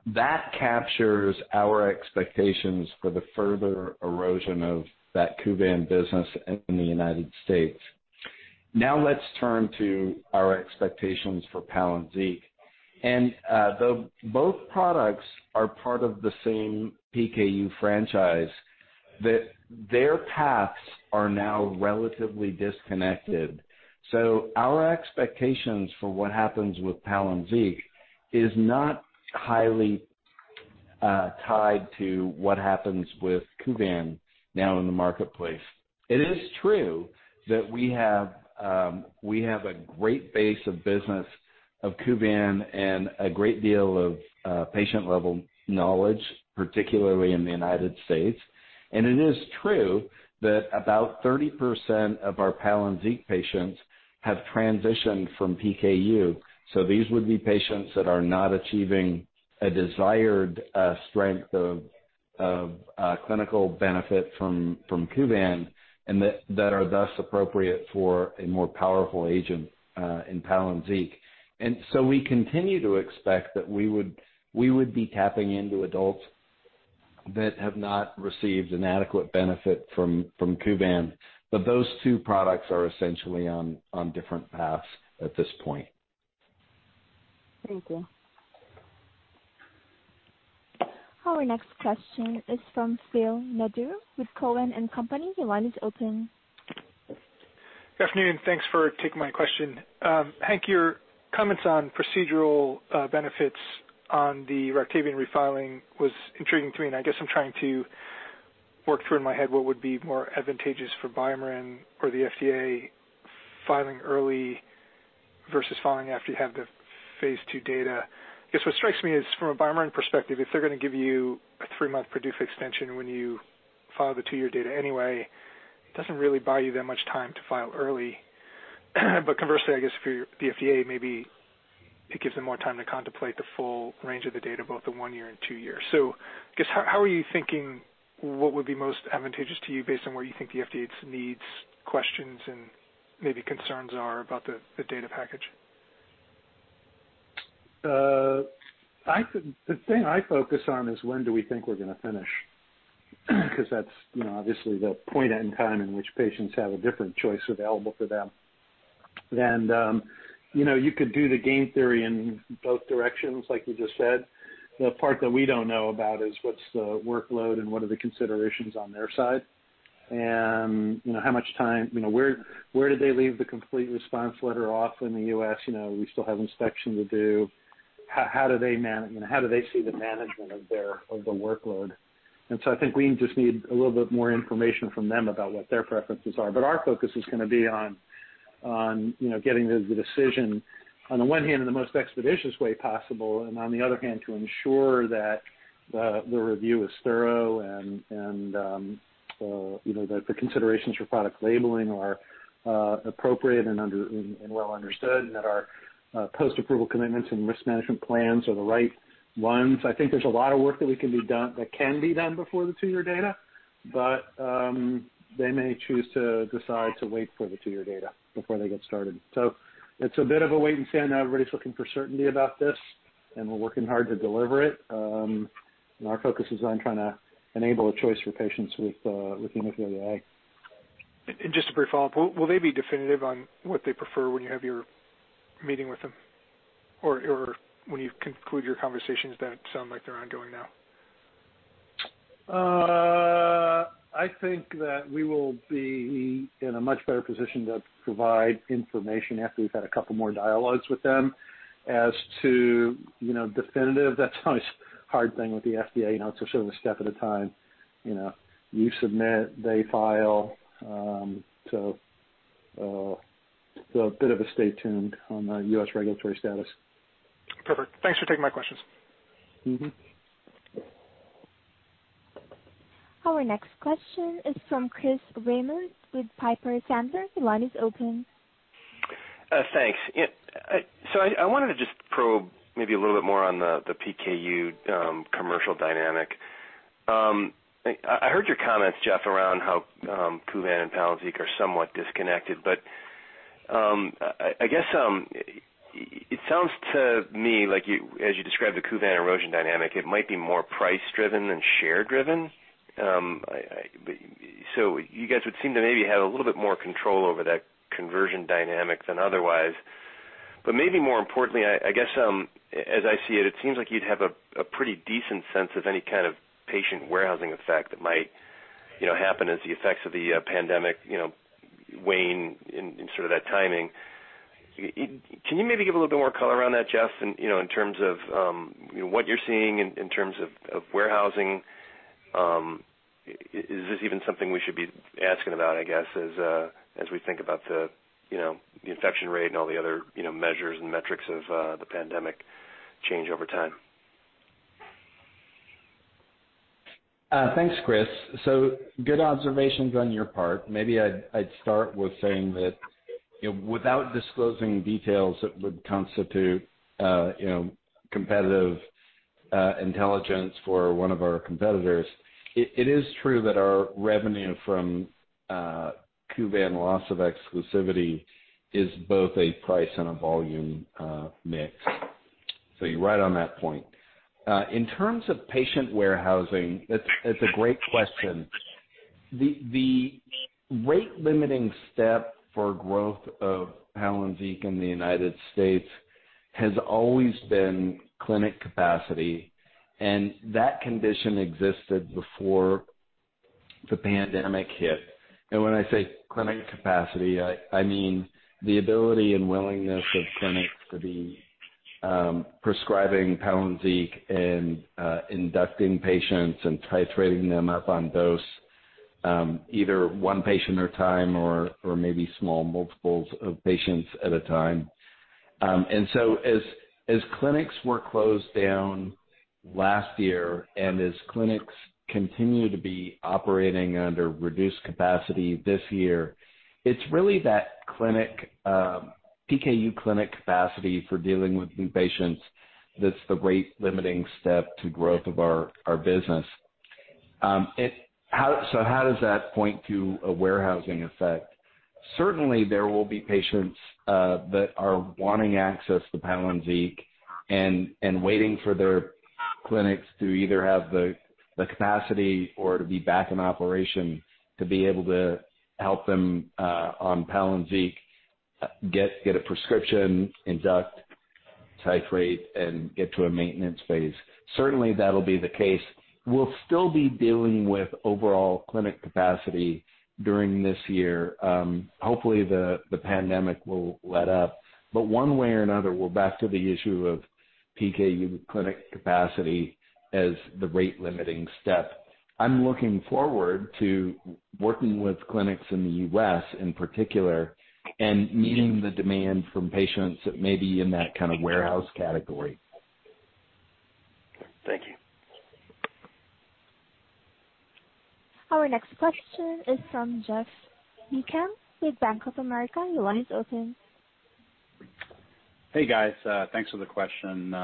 That captures our expectations for the further erosion of that Kuvan business in the United States. Now let's turn to our expectations for Palynziq. Though both products are part of the same PKU franchise, their paths are now relatively disconnected. Our expectations for what happens with Palynziq is not highly tied to what happens with Kuvan now in the marketplace. It is true that we have a great base of business of Kuvan and a great deal of patient-level knowledge, particularly in the United States. It is true that about 30% of our Palynziq patients have transitioned from Kuvan. These would be patients that are not achieving a desired strength of clinical benefit from Kuvan and that are thus appropriate for a more powerful agent in Palynziq. We continue to expect that we would be tapping into adults that have not received an adequate benefit from Kuvan. Those two products are essentially on different paths at this point. Thank you. Our next question is from Phil Nadeau with Cowen and Company. Your line is open. Good afternoon. Thanks for taking my question. Hank, your comments on procedural benefits on the Roctavian refiling was intriguing to me. And I guess I'm trying to work through in my head what would be more advantageous for BioMarin or the FDA filing early versus filing after you have the phase II data. I guess what strikes me is, from a BioMarin perspective, if they're going to give you a three-month PDUFA extension when you file the two-year data anyway, it doesn't really buy you that much time to file early. But conversely, I guess, for the FDA, maybe it gives them more time to contemplate the full range of the data, both the one-year and two-year. So I guess, how are you thinking what would be most advantageous to you based on what you think the FDA's needs, questions, and maybe concerns are about the data package? The thing I focus on is when do we think we're going to finish because that's obviously the point in time in which patients have a different choice available for them. And you could do the game theory in both directions, like you just said. The part that we don't know about is what's the workload and what are the considerations on their side and how much time where did they leave the complete response letter off in the U.S.? We still have inspection to do. How do they manage? How do they see the management of the workload? And so I think we just need a little bit more information from them about what their preferences are. But our focus is going to be on getting the decision on the one hand in the most expeditious way possible and, on the other hand, to ensure that the review is thorough and that the considerations for product labeling are appropriate and well understood and that our post-approval commitments and risk management plans are the right ones. I think there's a lot of work that can be done before the two-year data, but they may choose to decide to wait for the two-year data before they get started. So it's a bit of a wait and see. I know everybody's looking for certainty about this, and we're working hard to deliver it. And our focus is on trying to enable a choice for patients with hemophilia A. And just a brief follow-up. Will they be definitive on what they prefer when you have your meeting with them or when you conclude your conversations that sound like they're ongoing now? I think that we will be in a much better position to provide information after we've had a couple more dialogues with them as to definitive. That's always a hard thing with the FDA. It's sort of a step at a time. You submit, they file. So a bit of a stay tuned on the U.S. regulatory status. Perfect. Thanks for taking my questions. Our next question is from Chris Raymond with Piper Sandler. Your line is open. Thanks. So I wanted to just probe maybe a little bit more on the PKU commercial dynamic. I heard your comments, Jeff, around how Kuvan and Palynziq are somewhat disconnected. But I guess it sounds to me, as you describe the Kuvan erosion dynamic, it might be more price-driven than share-driven. So you guys would seem to maybe have a little bit more control over that conversion dynamic than otherwise. But maybe more importantly, I guess, as I see it, it seems like you'd have a pretty decent sense of any kind of patient warehousing effect that might happen as the effects of the pandemic wane in sort of that timing. Can you maybe give a little bit more color on that, Jeff, in terms of what you're seeing in terms of warehousing? Is this even something we should be asking about, I guess, as we think about the infection rate and all the other measures and metrics of the pandemic change over time? Thanks, Chris. So good observations on your part. Maybe I'd start with saying that without disclosing details that would constitute competitive intelligence for one of our competitors, it is true that our revenue from Kuvan loss of exclusivity is both a price and a volume mix. So you're right on that point. In terms of patient warehousing, it's a great question. The rate-limiting step for growth of Palynziq in the United States has always been clinic capacity. And that condition existed before the pandemic hit. And when I say clinic capacity, I mean the ability and willingness of clinics to be prescribing Palynziq and inducting patients and titrating them up on dose, either one patient at a time or maybe small multiples of patients at a time. As clinics were closed down last year and as clinics continue to be operating under reduced capacity this year, it's really that PKU clinic capacity for dealing with new patients that's the rate-limiting step to growth of our business. So how does that point to a warehousing effect? Certainly, there will be patients that are wanting access to Palynziq and waiting for their clinics to either have the capacity or to be back in operation to be able to help them on Palynziq, get a prescription, induct, titrate, and get to a maintenance phase. Certainly, that'll be the case. We'll still be dealing with overall clinic capacity during this year. Hopefully, the pandemic will let up. But one way or another, we're back to the issue of PKU clinic capacity as the rate-limiting step. I'm looking forward to working with clinics in the U.S. in particular and meeting the demand from patients that may be in that kind of warehouse category. Thank you. Our next question is from Geoff Meacham with Bank of America. Your line is open. Hey, guys. Thanks for the question.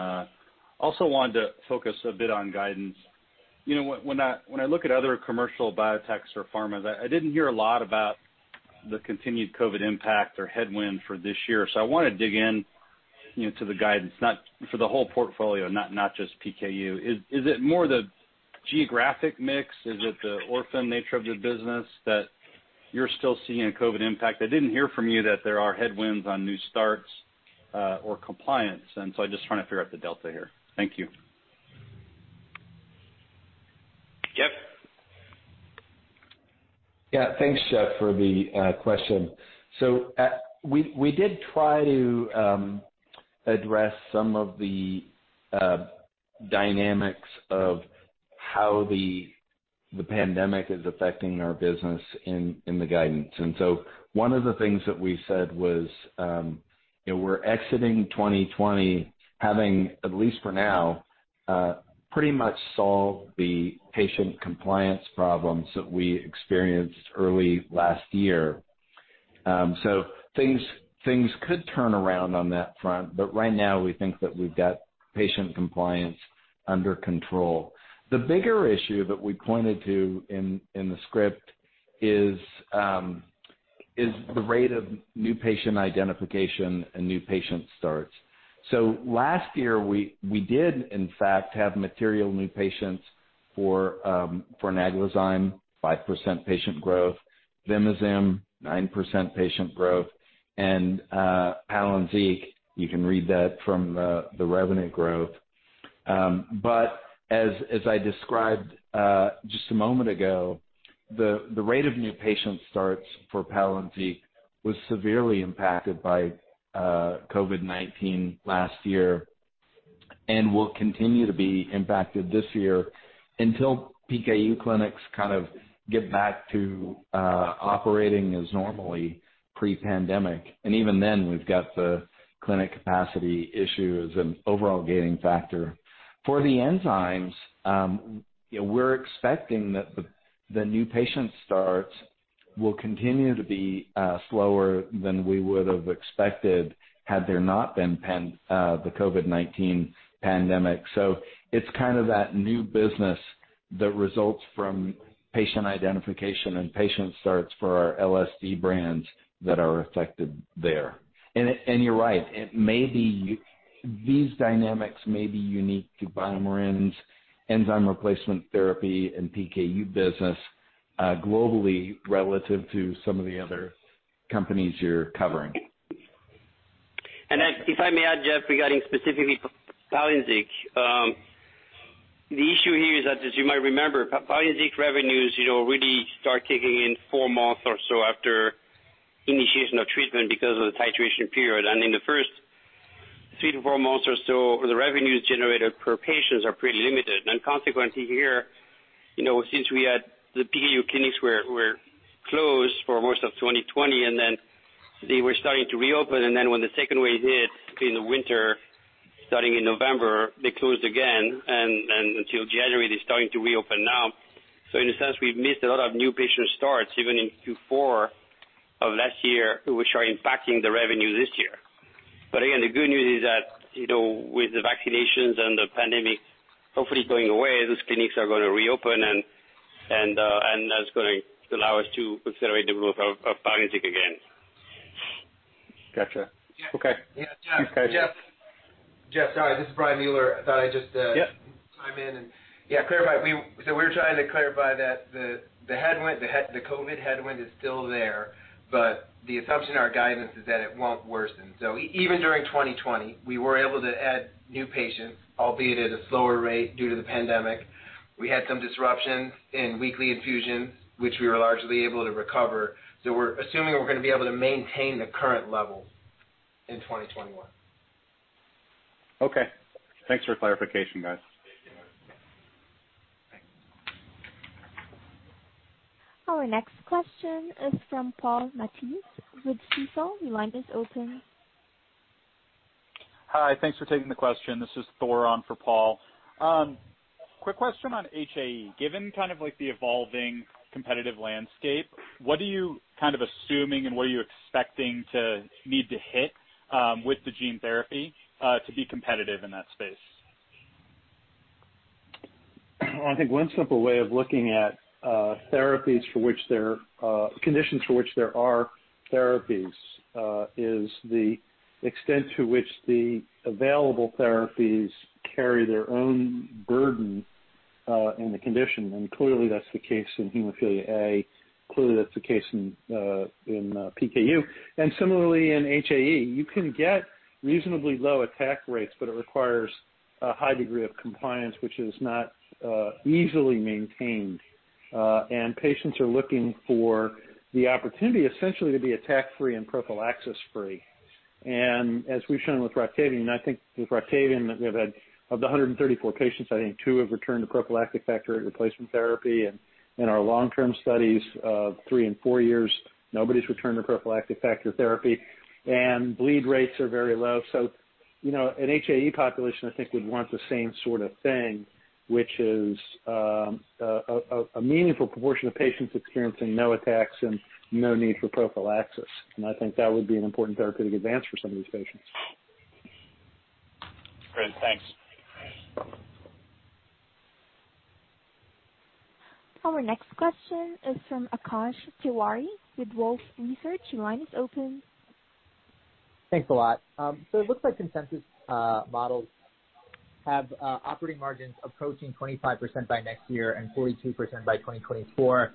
Also wanted to focus a bit on guidance. When I look at other commercial biotechs or pharmas, I didn't hear a lot about the continued COVID impact or headwind for this year. So I want to dig into the guidance for the whole portfolio, not just PKU. Is it more the geographic mix? Is it the orphan nature of the business that you're still seeing a COVID impact? I didn't hear from you that there are headwinds on new starts or compliance. And so I'm just trying to figure out the delta here. Thank you. Jeff? Yeah. Thanks, Geoff, for the question. So we did try to address some of the dynamics of how the pandemic is affecting our business in the guidance. And so one of the things that we said was we're exiting 2020, having, at least for now, pretty much solved the patient compliance problems that we experienced early last year. So things could turn around on that front. But right now, we think that we've got patient compliance under control. The bigger issue that we pointed to in the script is the rate of new patient identification and new patient starts. So last year, we did, in fact, have material new patients for Naglazyme, 5% patient growth, Vimizim, 9% patient growth, and Palynziq. You can read that from the revenue growth. But as I described just a moment ago, the rate of new patient starts for Palynziq was severely impacted by COVID-19 last year and will continue to be impacted this year until PKU clinics kind of get back to operating as normally pre-pandemic. And even then, we've got the clinic capacity issue as an overall gating factor. For the enzymes, we're expecting that the new patient starts will continue to be slower than we would have expected had there not been the COVID-19 pandemic. So it's kind of that new business that results from patient identification and patient starts for our LSD brands that are affected there. And you're right. These dynamics may be unique to BioMarin's enzyme replacement therapy and PKU business globally relative to some of the other companies you're covering. If I may add, Jeff, regarding specifically Palynziq, the issue here is that, as you might remember, Palynziq revenues really start kicking in four months or so after initiation of treatment because of the titration period. And in the first three to four months or so, the revenues generated per patient are pretty limited. And consequently here, since the PKU clinics were closed for most of 2020, and then they were starting to reopen. And then when the second wave hit in the winter, starting in November, they closed again. And then until January, they're starting to reopen now. So in a sense, we've missed a lot of new patient starts even in Q4 of last year, which are impacting the revenue this year. But again, the good news is that with the vaccinations and the pandemic hopefully going away, those clinics are going to reopen, and that's going to allow us to accelerate the growth of Palynziq again. Gotcha. Okay. Jeff? Jeff, sorry. This is Brian Mueller. I thought I'd just chime in and yeah, clarify. So we were trying to clarify that the COVID headwind is still there, but the assumption in our guidance is that it won't worsen. So even during 2020, we were able to add new patients, albeit at a slower rate due to the pandemic. We had some disruptions in weekly infusions, which we were largely able to recover. So we're assuming we're going to be able to maintain the current level in 2021. Okay. Thanks for the clarification, guys. Our next question is from Paul Matteis with Stifel. Your line is open. Hi. Thanks for taking the question. This is Thor on for Paul. Quick question on HAE. Given kind of the evolving competitive landscape, what are you kind of assuming and what are you expecting to need to hit with the gene therapy to be competitive in that space? I think one simple way of looking at therapies for which there are conditions for which there are therapies is the extent to which the available therapies carry their own burden in the condition. Clearly, that's the case hemophilia A. clearly, that's the case in PKU. Similarly, in HAE, you can get reasonably low attack rates, but it requires a high degree of compliance, which is not easily maintained. Patients are looking for the opportunity essentially to be attack-free and prophylaxis-free. And as we've shown with Roctavian, I think with Roctavian, we've had of the 134 patients, I think two have returned to prophylactic factor replacement therapy. And in our long-term studies of three and four years, nobody's returned to prophylactic factor therapy. And bleed rates are very low. So an HAE population, I think, would want the same sort of thing, which is a meaningful proportion of patients experiencing no attacks and no need for prophylaxis. And I think that would be an important therapeutic advance for some of these patients. Great. Thanks. Our next question is from Akash Tewari with Wolfe Research. Your line is open. Thanks a lot. So it looks like consensus models have operating margins approaching 25% by next year and 42% by 2024.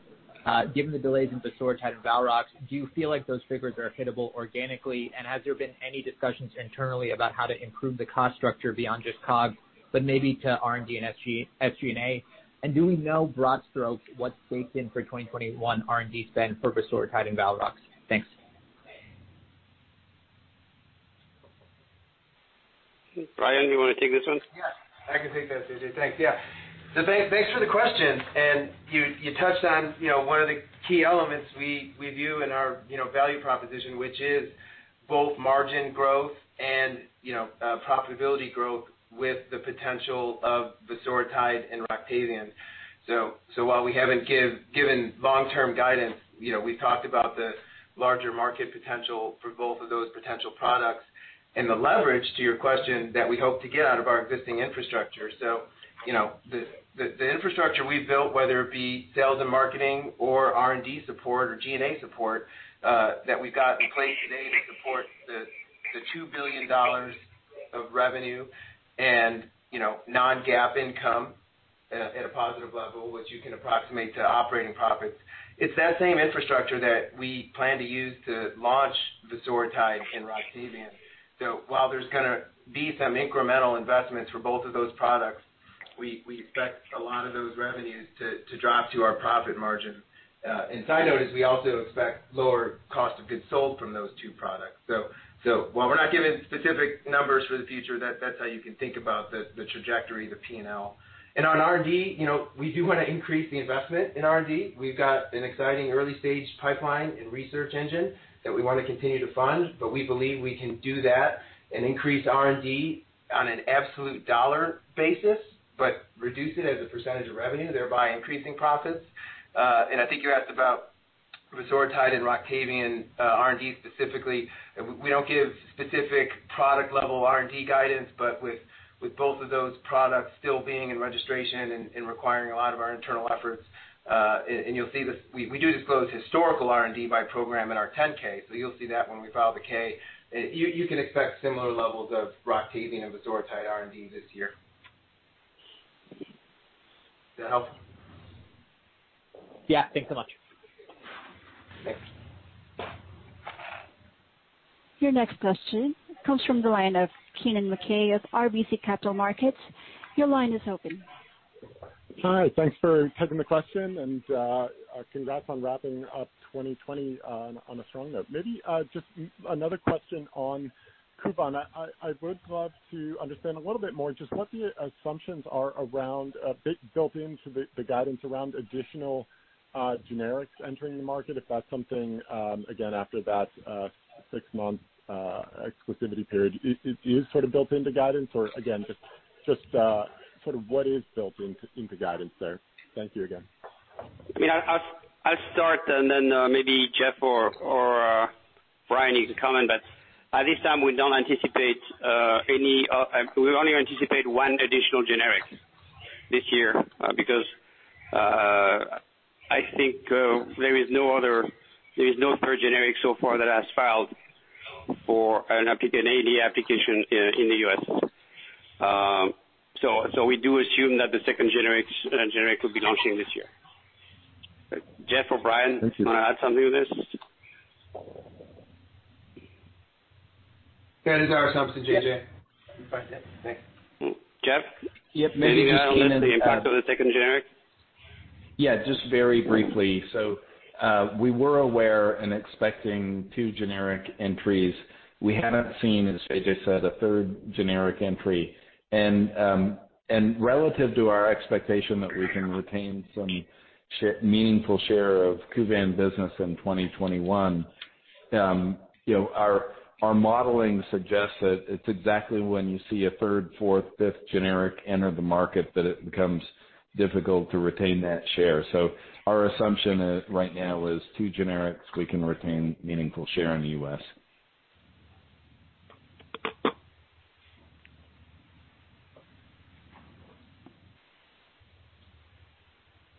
Given the delays in vosoritide and Valrox, do you feel like those figures are hittable organically? Has there been any discussions internally about how to improve the cost structure beyond just COGS, but maybe to R&D and SG&A? And do we know, in broad strokes, what's in store for 2021 R&D spend for vosoritide and Valrox? Thanks. Brian, do you want to take this one? Yes. I can take that. Thanks. Yeah. So thanks for the question. And you touched on one of the key elements we view in our value proposition, which is both margin growth and profitability growth with the potential of vosoritide and Roctavian. So while we haven't given long-term guidance, we've talked about the larger market potential for both of those potential products and the leverage, to your question, that we hope to get out of our existing infrastructure. So the infrastructure we've built, whether it be sales and marketing or R&D support or G&A support that we've got in place today to support the $2 billion of revenue and Non-GAAP income at a positive level, which you can approximate to operating profits, it's that same infrastructure that we plan to use to launch vosoritide and Roctavian. So while there's going to be some incremental investments for both of those products, we expect a lot of those revenues to drop to our profit margin. And side note is we also expect lower cost of goods sold from those two products. So while we're not giving specific numbers for the future, that's how you can think about the trajectory, the P&L. And on R&D, we do want to increase the investment in R&D. We've got an exciting early-stage pipeline and research engine that we want to continue to fund. But we believe we can do that and increase R&D on an absolute dollar basis, but reduce it as a percentage of revenue, thereby increasing profits. And I think you asked about vosoritide and Roctavian R&D specifically. We don't give specific product-level R&D guidance, but with both of those products still being in registration and requiring a lot of our internal efforts. And you'll see we do disclose historical R&D by program in our 10-K. So you'll see that when we file the K. You can expect similar levels of Roctavian and vosoritide R&D this year. Is that helpful? Yeah. Thanks so much. Thanks. Your next question comes from the line of Kennen MacKay of RBC Capital Markets. Your line is open. Hi. Thanks for taking the question. And congrats on wrapping up 2020 on a strong note. Maybe just another question on Kuvan. I would love to understand a little bit more just what the assumptions are around built into the guidance around additional generics entering the market, if that's something, again, after that six-month exclusivity period. Is sort of built into guidance? Or again, just sort of what is built into guidance there? Thank you again. I mean, I'll start, and then maybe Jeff or Brian you can come in. But at this time, we don't anticipate any; we only anticipate one additional generic this year because I think there is no third generic so far that has filed for an ANDA application in the U.S. So we do assume that the second generic will be launching this year. Jeff or Brian, you want to add something to this? That is our assumption, JJ. Thanks. Jeff? Yep. Maybe just Kennen and Jeff. The impact of the second generic? Yeah. Just very briefly. So we were aware and expecting two generic entries. We haven't seen, as JJ said, a third generic entry. And relative to our expectation that we can retain some meaningful share of Kuvan business in 2021, our modeling suggests that it's exactly when you see a third, fourth, fifth generic enter the market that it becomes difficult to retain that share. So our assumption right now is two generics, we can retain meaningful share in the U.S..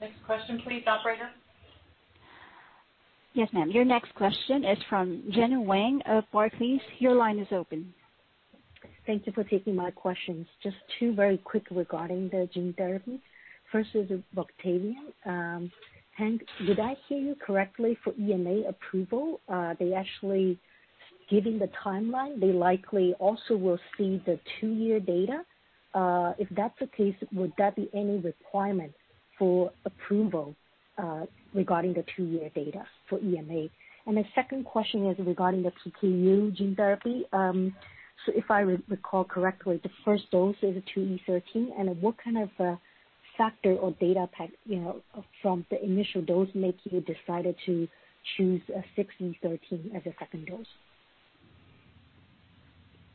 Next question, please, operator. Yes, ma'am. Your next question is from Gena Wang of Barclays. Your line is open. Thank you for taking my questions. Just two very quick regarding the gene therapy. First is Roctavian. Hank, did I hear you correctly for EMA approval? They actually giving the timeline. They likely also will see the two-year data. If that's the case, would that be any requirement for approval regarding the two-year data for EMA? And the second question is regarding the PKU gene therapy. So if I recall correctly, the first dose is 2E13. And what kind of factor or data from the initial dose make you decide to choose 6E13 as a second dose?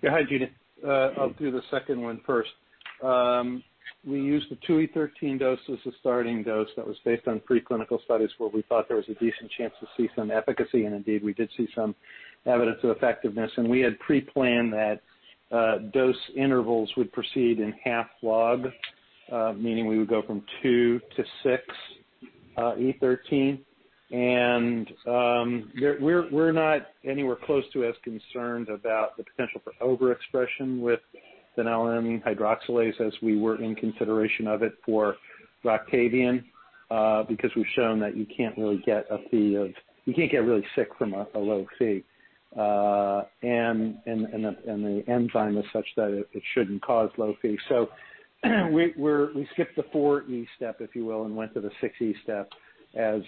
Yeah. Hi, Gena I'll do the second one first. We used the 2E13 dose as the starting dose. That was based on preclinical studies where we thought there was a decent chance to see some efficacy. And indeed, we did see some evidence of effectiveness. And we had pre-planned that dose intervals would proceed in half log, meaning we would go from 2E13 to 6E13. We're not anywhere close to as concerned about the potential for overexpression with phenylalanine hydroxylase as we were in consideration of it for Roctavian because we've shown that you can't really get a Phe. You can't get really sick from a low Phe. The enzyme is such that it shouldn't cause low Phe. We skipped the 4E13 step, if you will, and went to the 6E13 step as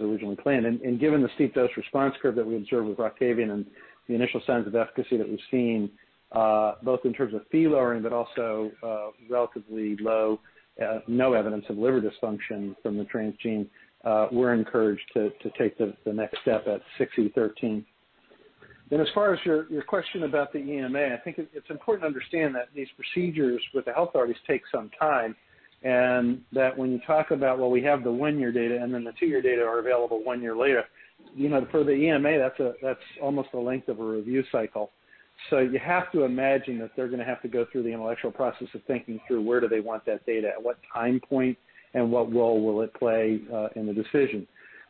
originally planned. Given the steep dose response curve that we observed with Roctavian and the initial signs of efficacy that we've seen, both in terms of Phe lowering but also relatively low no evidence of liver dysfunction from the transgene, we're encouraged to take the next step at 6E13. As far as your question about the EMA, I think it's important to understand that these procedures with the health authorities take some time. That when you talk about, well, we have the one-year data, and then the two-year data are available one year later, for the EMA, that's almost the length of a review cycle. So you have to imagine that they're going to have to go through the intellectual process of thinking through where do they want that data, at what time point, and what role will it play in the decision.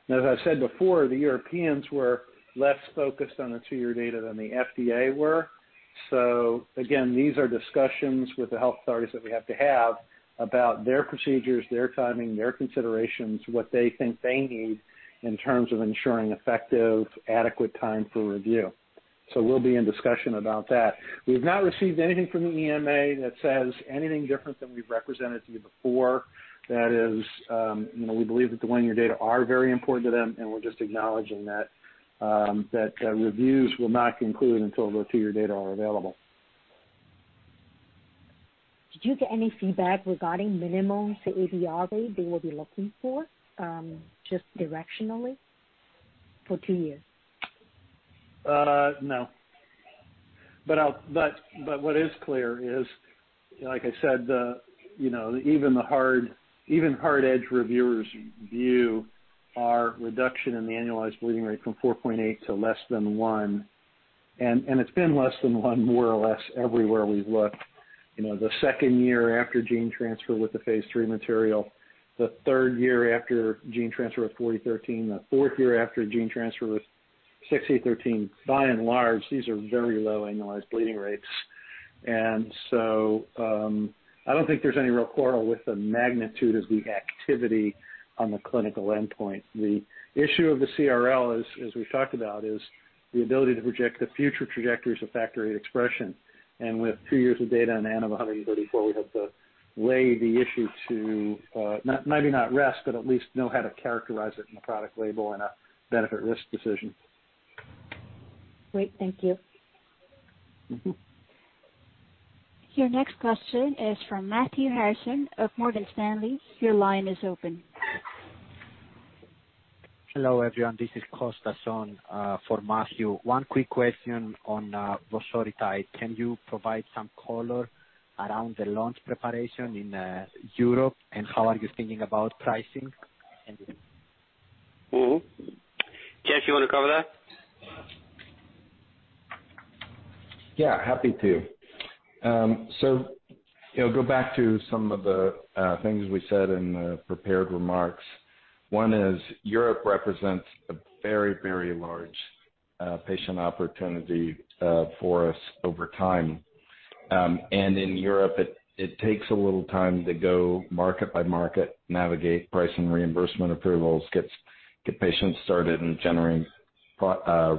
Now, as I said before, the Europeans were less focused on the two-year data than the FDA were. So again, these are discussions with the health authorities that we have to have about their procedures, their timing, their considerations, what they think they need in terms of ensuring effective, adequate time for review. So we'll be in discussion about that. We've not received anything from the EMA that says anything different than we've represented to you before. That is, we believe that the one-year data are very important to them, and we're just acknowledging that reviews will not conclude until the two-year data are available. Did you get any feedback regarding minimum ABR rate they will be looking for just directionally for two years? No. But what is clear is, like I said, even hard-edge reviewers view our reduction in the annualized bleeding rate from 4.8 to less than 1. And it's been less than 1, more or less, everywhere we've looked. The second year after gene transfer with the phase III material, the third year after gene transfer with 4E13, the fourth year after gene transfer with 6E13. By and large, these are very low annualized bleeding rates. And so I don't think there's any real quarrel with the magnitude of the activity on the clinical endpoint. The issue of the CRL, as we've talked about, is the ability to project the future trajectories of factor VIII expression, and with two years of data in the 134, we have to lay the issue to maybe not rest, but at least know how to characterize it in the product label and a benefit-risk decision. Great. Thank you. Your next question is from Matthew Harrison of Morgan Stanley. Your line is open. Hello, everyone. This is Kostas on for Matthew. One quick question on vosoritide. Can you provide some color around the launch preparation in Europe, and how are you thinking about pricing? Jeff, you want to cover that? Yeah. Happy to. So go back to some of the things we said in the prepared remarks. One is Europe represents a very, very large patient opportunity for us over time. And in Europe, it takes a little time to go market by market, navigate price and reimbursement approvals, get patients started in generating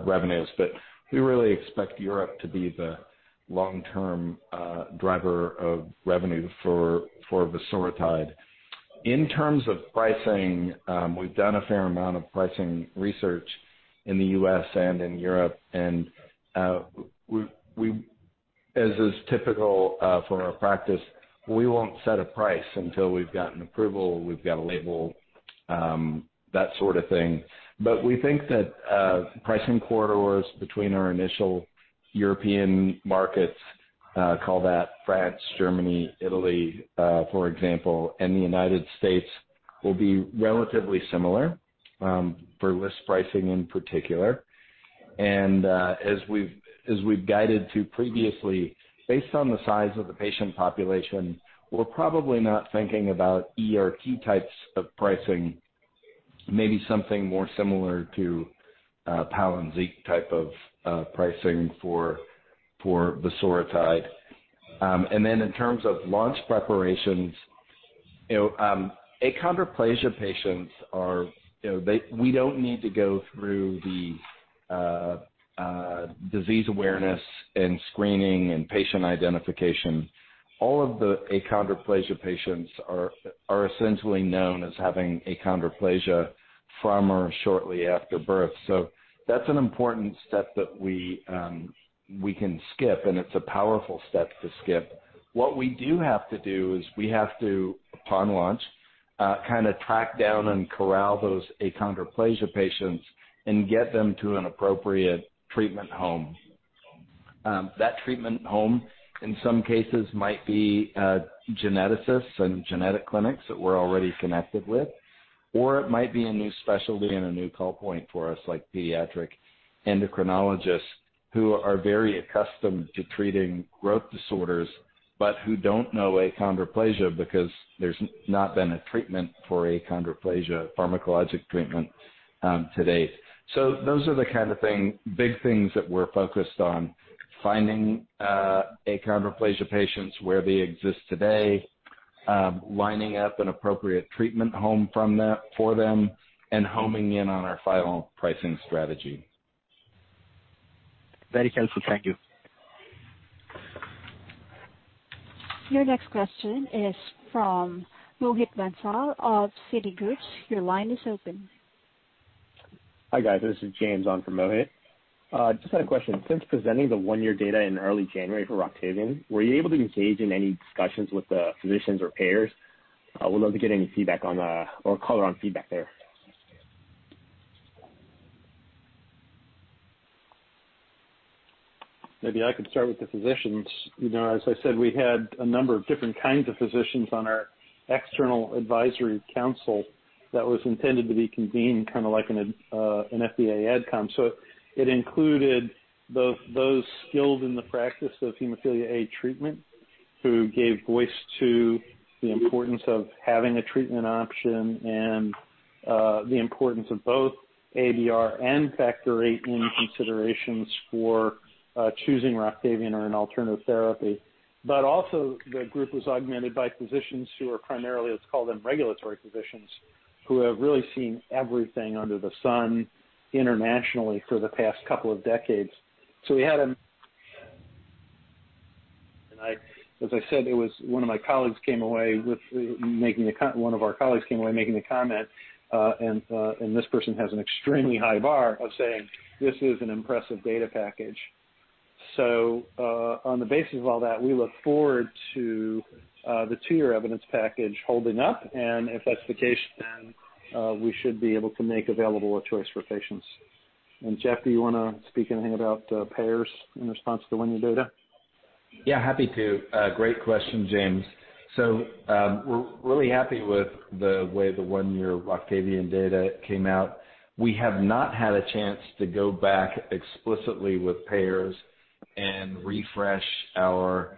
revenues. But we really expect Europe to be the long-term driver of revenue for vosoritide. In terms of pricing, we've done a fair amount of pricing research in the U.S. and in Europe. And as is typical for our practice, we won't set a price until we've gotten approval, we've got a label, that sort of thing. But we think that pricing corridors between our initial European markets, call that France, Germany, Italy, for example, and the United States, will be relatively similar for list pricing in particular. And as we've guided to previously, based on the size of the patient population, we're probably not thinking about ERT types of pricing, maybe something more similar to Palynziq type of pricing for vosoritide. And then, in terms of launch preparations, achondroplasia patients, we don't need to go through the disease awareness and screening and patient identification. All of the achondroplasia patients are essentially known as having achondroplasia from or shortly after birth. So that's an important step that we can skip, and it's a powerful step to skip. What we do have to do is, upon launch, kind of track down and corral those achondroplasia patients and get them to an appropriate treatment home. That treatment home, in some cases, might be geneticists and genetic clinics that we're already connected with. Or it might be a new specialty and a new call point for us, like pediatric endocrinologists who are very accustomed to treating growth disorders but who don't know achondroplasia because there's not been a treatment for achondroplasia, pharmacologic treatment to date. So those are the kind of big things that we're focused on: finding achondroplasia patients, where they exist today, lining up an appropriate treatment home for them, and homing in on our final pricing strategy. Very helpful. Thank you. Your next question is from Mohit Bansal of Citi. Your line is open. Hi, guys. This is James on for Mohit. Just had a question. Since presenting the one-year data in early January for Roctavian, were you able to engage in any discussions with the physicians or payers? We'd love to get any feedback on or a color on feedback there. Maybe I could start with the physicians. As I said, we had a number of different kinds of physicians on our external advisory council that was intended to be convened kind of like an FDA adcom. So it included those skilled in the practice hemophilia A treatment who gave voice to the importance of having a treatment option and the importance of both ABR and factor VIII in considerations for choosing Roctavian or an alternative therapy. But also, the group was augmented by physicians who are primarily, let's call them regulatory physicians, who have really seen everything under the sun internationally for the past couple of decades. As I said, one of our colleagues came away making a comment. And this person has an extremely high bar of saying, "This is an impressive data package." So on the basis of all that, we look forward to the two-year evidence package holding up. And if that's the case, then we should be able to make available a choice for patients. Jeff, do you want to speak anything about payers in response to the one-year data? Yeah. Happy to. Great question, James. So we're really happy with the way the one-year Roctavian data came out. We have not had a chance to go back explicitly with payers and refresh our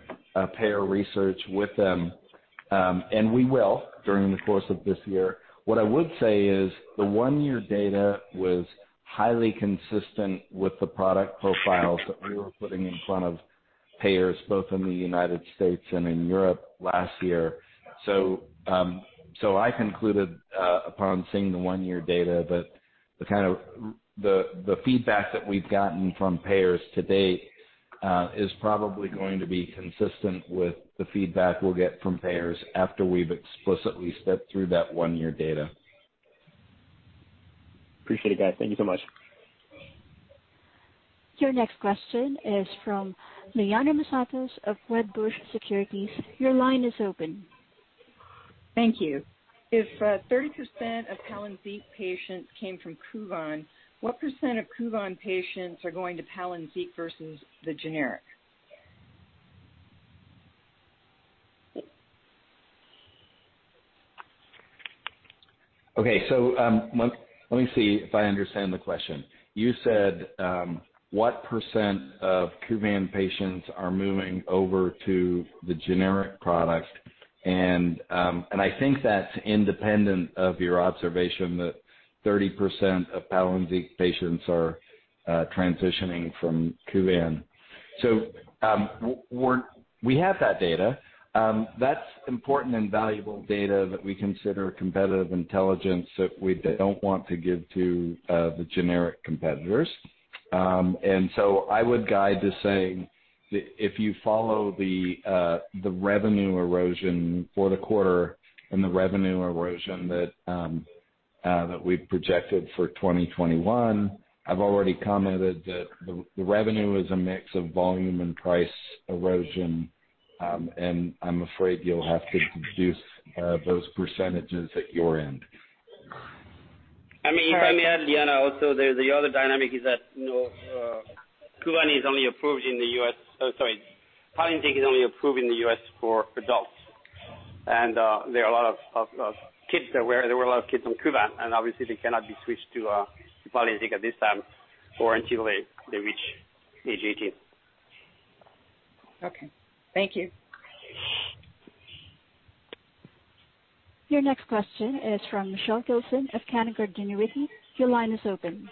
payer research with them. And we will during the course of this year. What I would say is the one-year data was highly consistent with the product profiles that we were putting in front of payers, both in the United States and in Europe last year. So I concluded upon seeing the one-year data that the kind of feedback that we've gotten from payers to date is probably going to be consistent with the feedback we'll get from payers after we've explicitly stepped through that one-year data. Appreciate it, guys. Thank you so much. Your next question is from Liana Moussatos of Wedbush Securities. Your line is open. Thank you. If 30% of Palynziq patients came from Kuvan, what percent of Kuvan patients are going to Palynziq versus the generic? Okay. So let me see if I understand the question. You said what percent of Kuvan patients are moving over to the generic product. And I think that's independent of your observation that 30% of Palynziq patients are transitioning from Kuvan. So we have that data. That's important and valuable data that we consider competitive intelligence that we don't want to give to the generic competitors. And so I would guide to say that if you follow the revenue erosion for the quarter and the revenue erosion that we've projected for 2021, I've already commented that the revenue is a mix of volume and price erosion. And I'm afraid you'll have to deduce those percentages at your end. I mean, you'll find me at all. Also, the other dynamic is that Kuvan is only approved in the U.S.—sorry, Palynziq is only approved in the U.S. for adults. And there are a lot of kids that were—there were a lot of kids on Kuvan. And obviously, they cannot be switched to Palynziq at this time or until they reach age 18. Okay. Thank you. Your next question is from Michelle Gilson of Canaccord Genuity. Your line is open.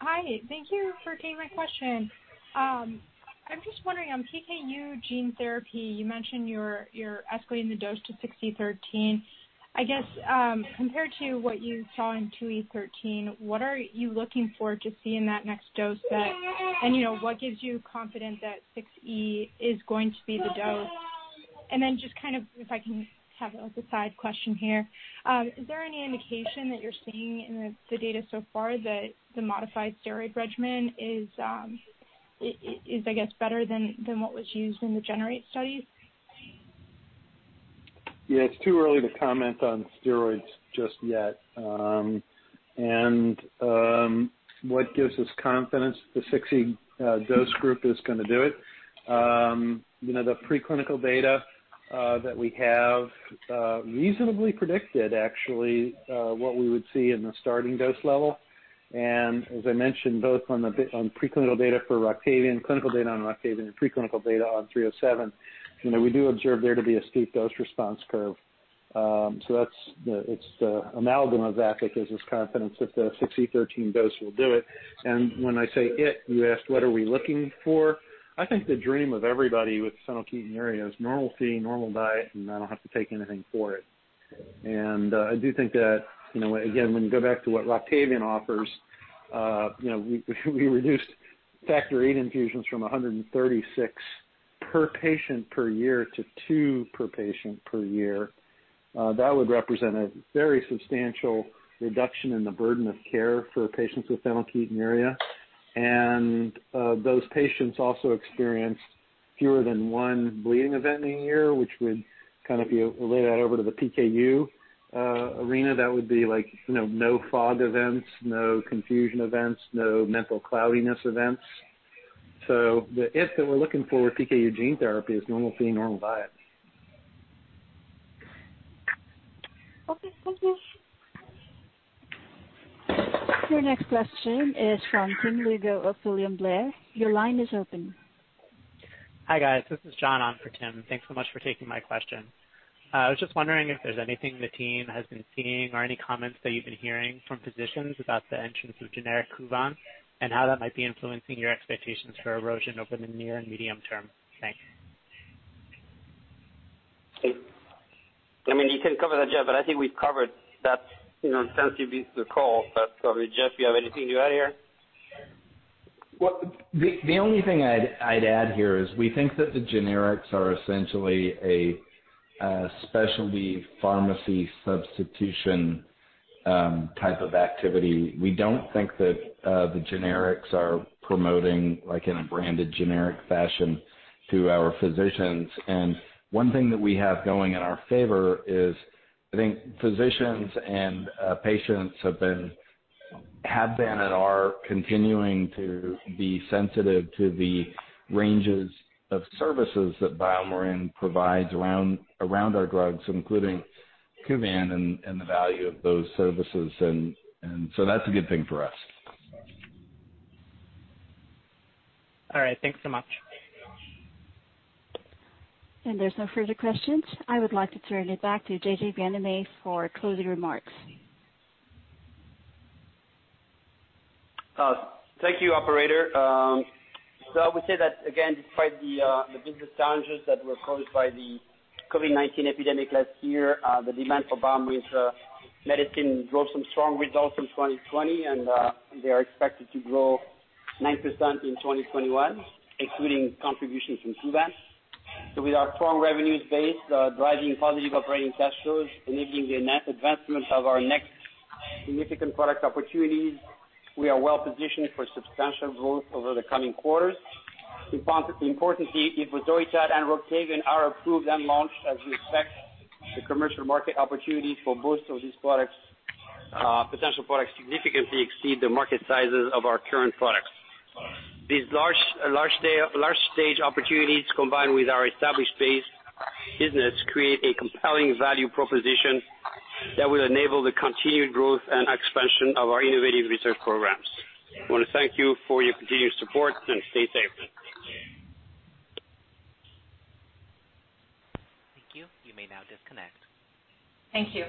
Hi. Thank you for taking my question. I'm just wondering on PKU gene therapy, you mentioned you're escalating the dose to 6E13. I guess compared to what you saw in 2E13, what are you looking for to see in that next dose? And what gives you confidence that 6E is going to be the dose? And then just kind of, if I can have a side question here, is there any indication that you're seeing in the data so far that the modified steroid regimen is, I guess, better than what was used in the GENEr8 studies? Yeah. It's too early to comment on steroids just yet. And what gives us confidence the 6e dose group is going to do it? The preclinical data that we have reasonably predicted, actually, what we would see in the starting dose level. And as I mentioned, based on the preclinical data for Roctavian, clinical data on Roctavian, and preclinical data on 307, we do observe there to be a steep dose response curve. So it's the amalgam of that that gives us confidence that the 6E13 dose will do it. And when I say it, you asked, "What are we looking for?" I think the dream of everybody with hemophilia A is normal feeding, normal diet, and I don't have to take anything for it. I do think that, again, when you go back to what Roctavian offers, we reduced factor VIII infusions from 136 per patient per year to two per patient per year. That would represent a very substantial reduction in the burden of care for patients with hemophilia A. and those patients also experienced fewer than one bleeding event in a year, which would kind of be related over to the PKU arena. That would be like no fog events, no confusion events, no mental cloudiness events. So the ideal that we're looking for with PKU gene therapy is normal feeding, normal diet. Okay. Thank you. Your next question is from Tim Lugo of William Blair. Your line is open. Hi, guys. This is John on for Tim. Thanks so much for taking my question. I was just wondering if there's anything the team has been seeing or any comments that you've been hearing from physicians about the entrance of generic Kuvan and how that might be influencing your expectations for erosion over the near and medium term. Thanks. I mean, you can cover that, Jeff, but I think we've covered that since you've used the call. But Jeff, do you have anything you add here? The only thing I'd add here is we think that the generics are essentially a specialty pharmacy substitution type of activity. We don't think that the generics are promoting in a branded generic fashion to our physicians. And one thing that we have going in our favor is I think physicians and patients have been and are continuing to be sensitive to the ranges of services that BioMarin provides around our drugs, including Kuvan and the value of those services. And so that's a good thing for us. All right. Thanks so much. And there's no further questions. I would like to turn it back to J.J. Bienaimé for closing remarks. Thank you, operator. So I would say that, again, despite the business challenges that were caused by the COVID-19 epidemic last year, the demand for BioMarin's medicine drove some strong results in 2020. And they are expected to grow 9% in 2021, including contributions from Kuvan. With our strong revenue base driving positive operating cash flows, enabling the advancement of our next significant product opportunities, we are well positioned for substantial growth over the coming quarters. Importantly, if Voxzogo and Roctavian are approved and launched, as we expect, the commercial market opportunities for both of these potential products significantly exceed the market sizes of our current products. These large-scale opportunities combined with our established base business create a compelling value proposition that will enable the continued growth and expansion of our innovative research programs. I want to thank you for your continued support and stay safe. Thank you. You may now disconnect. Thank you.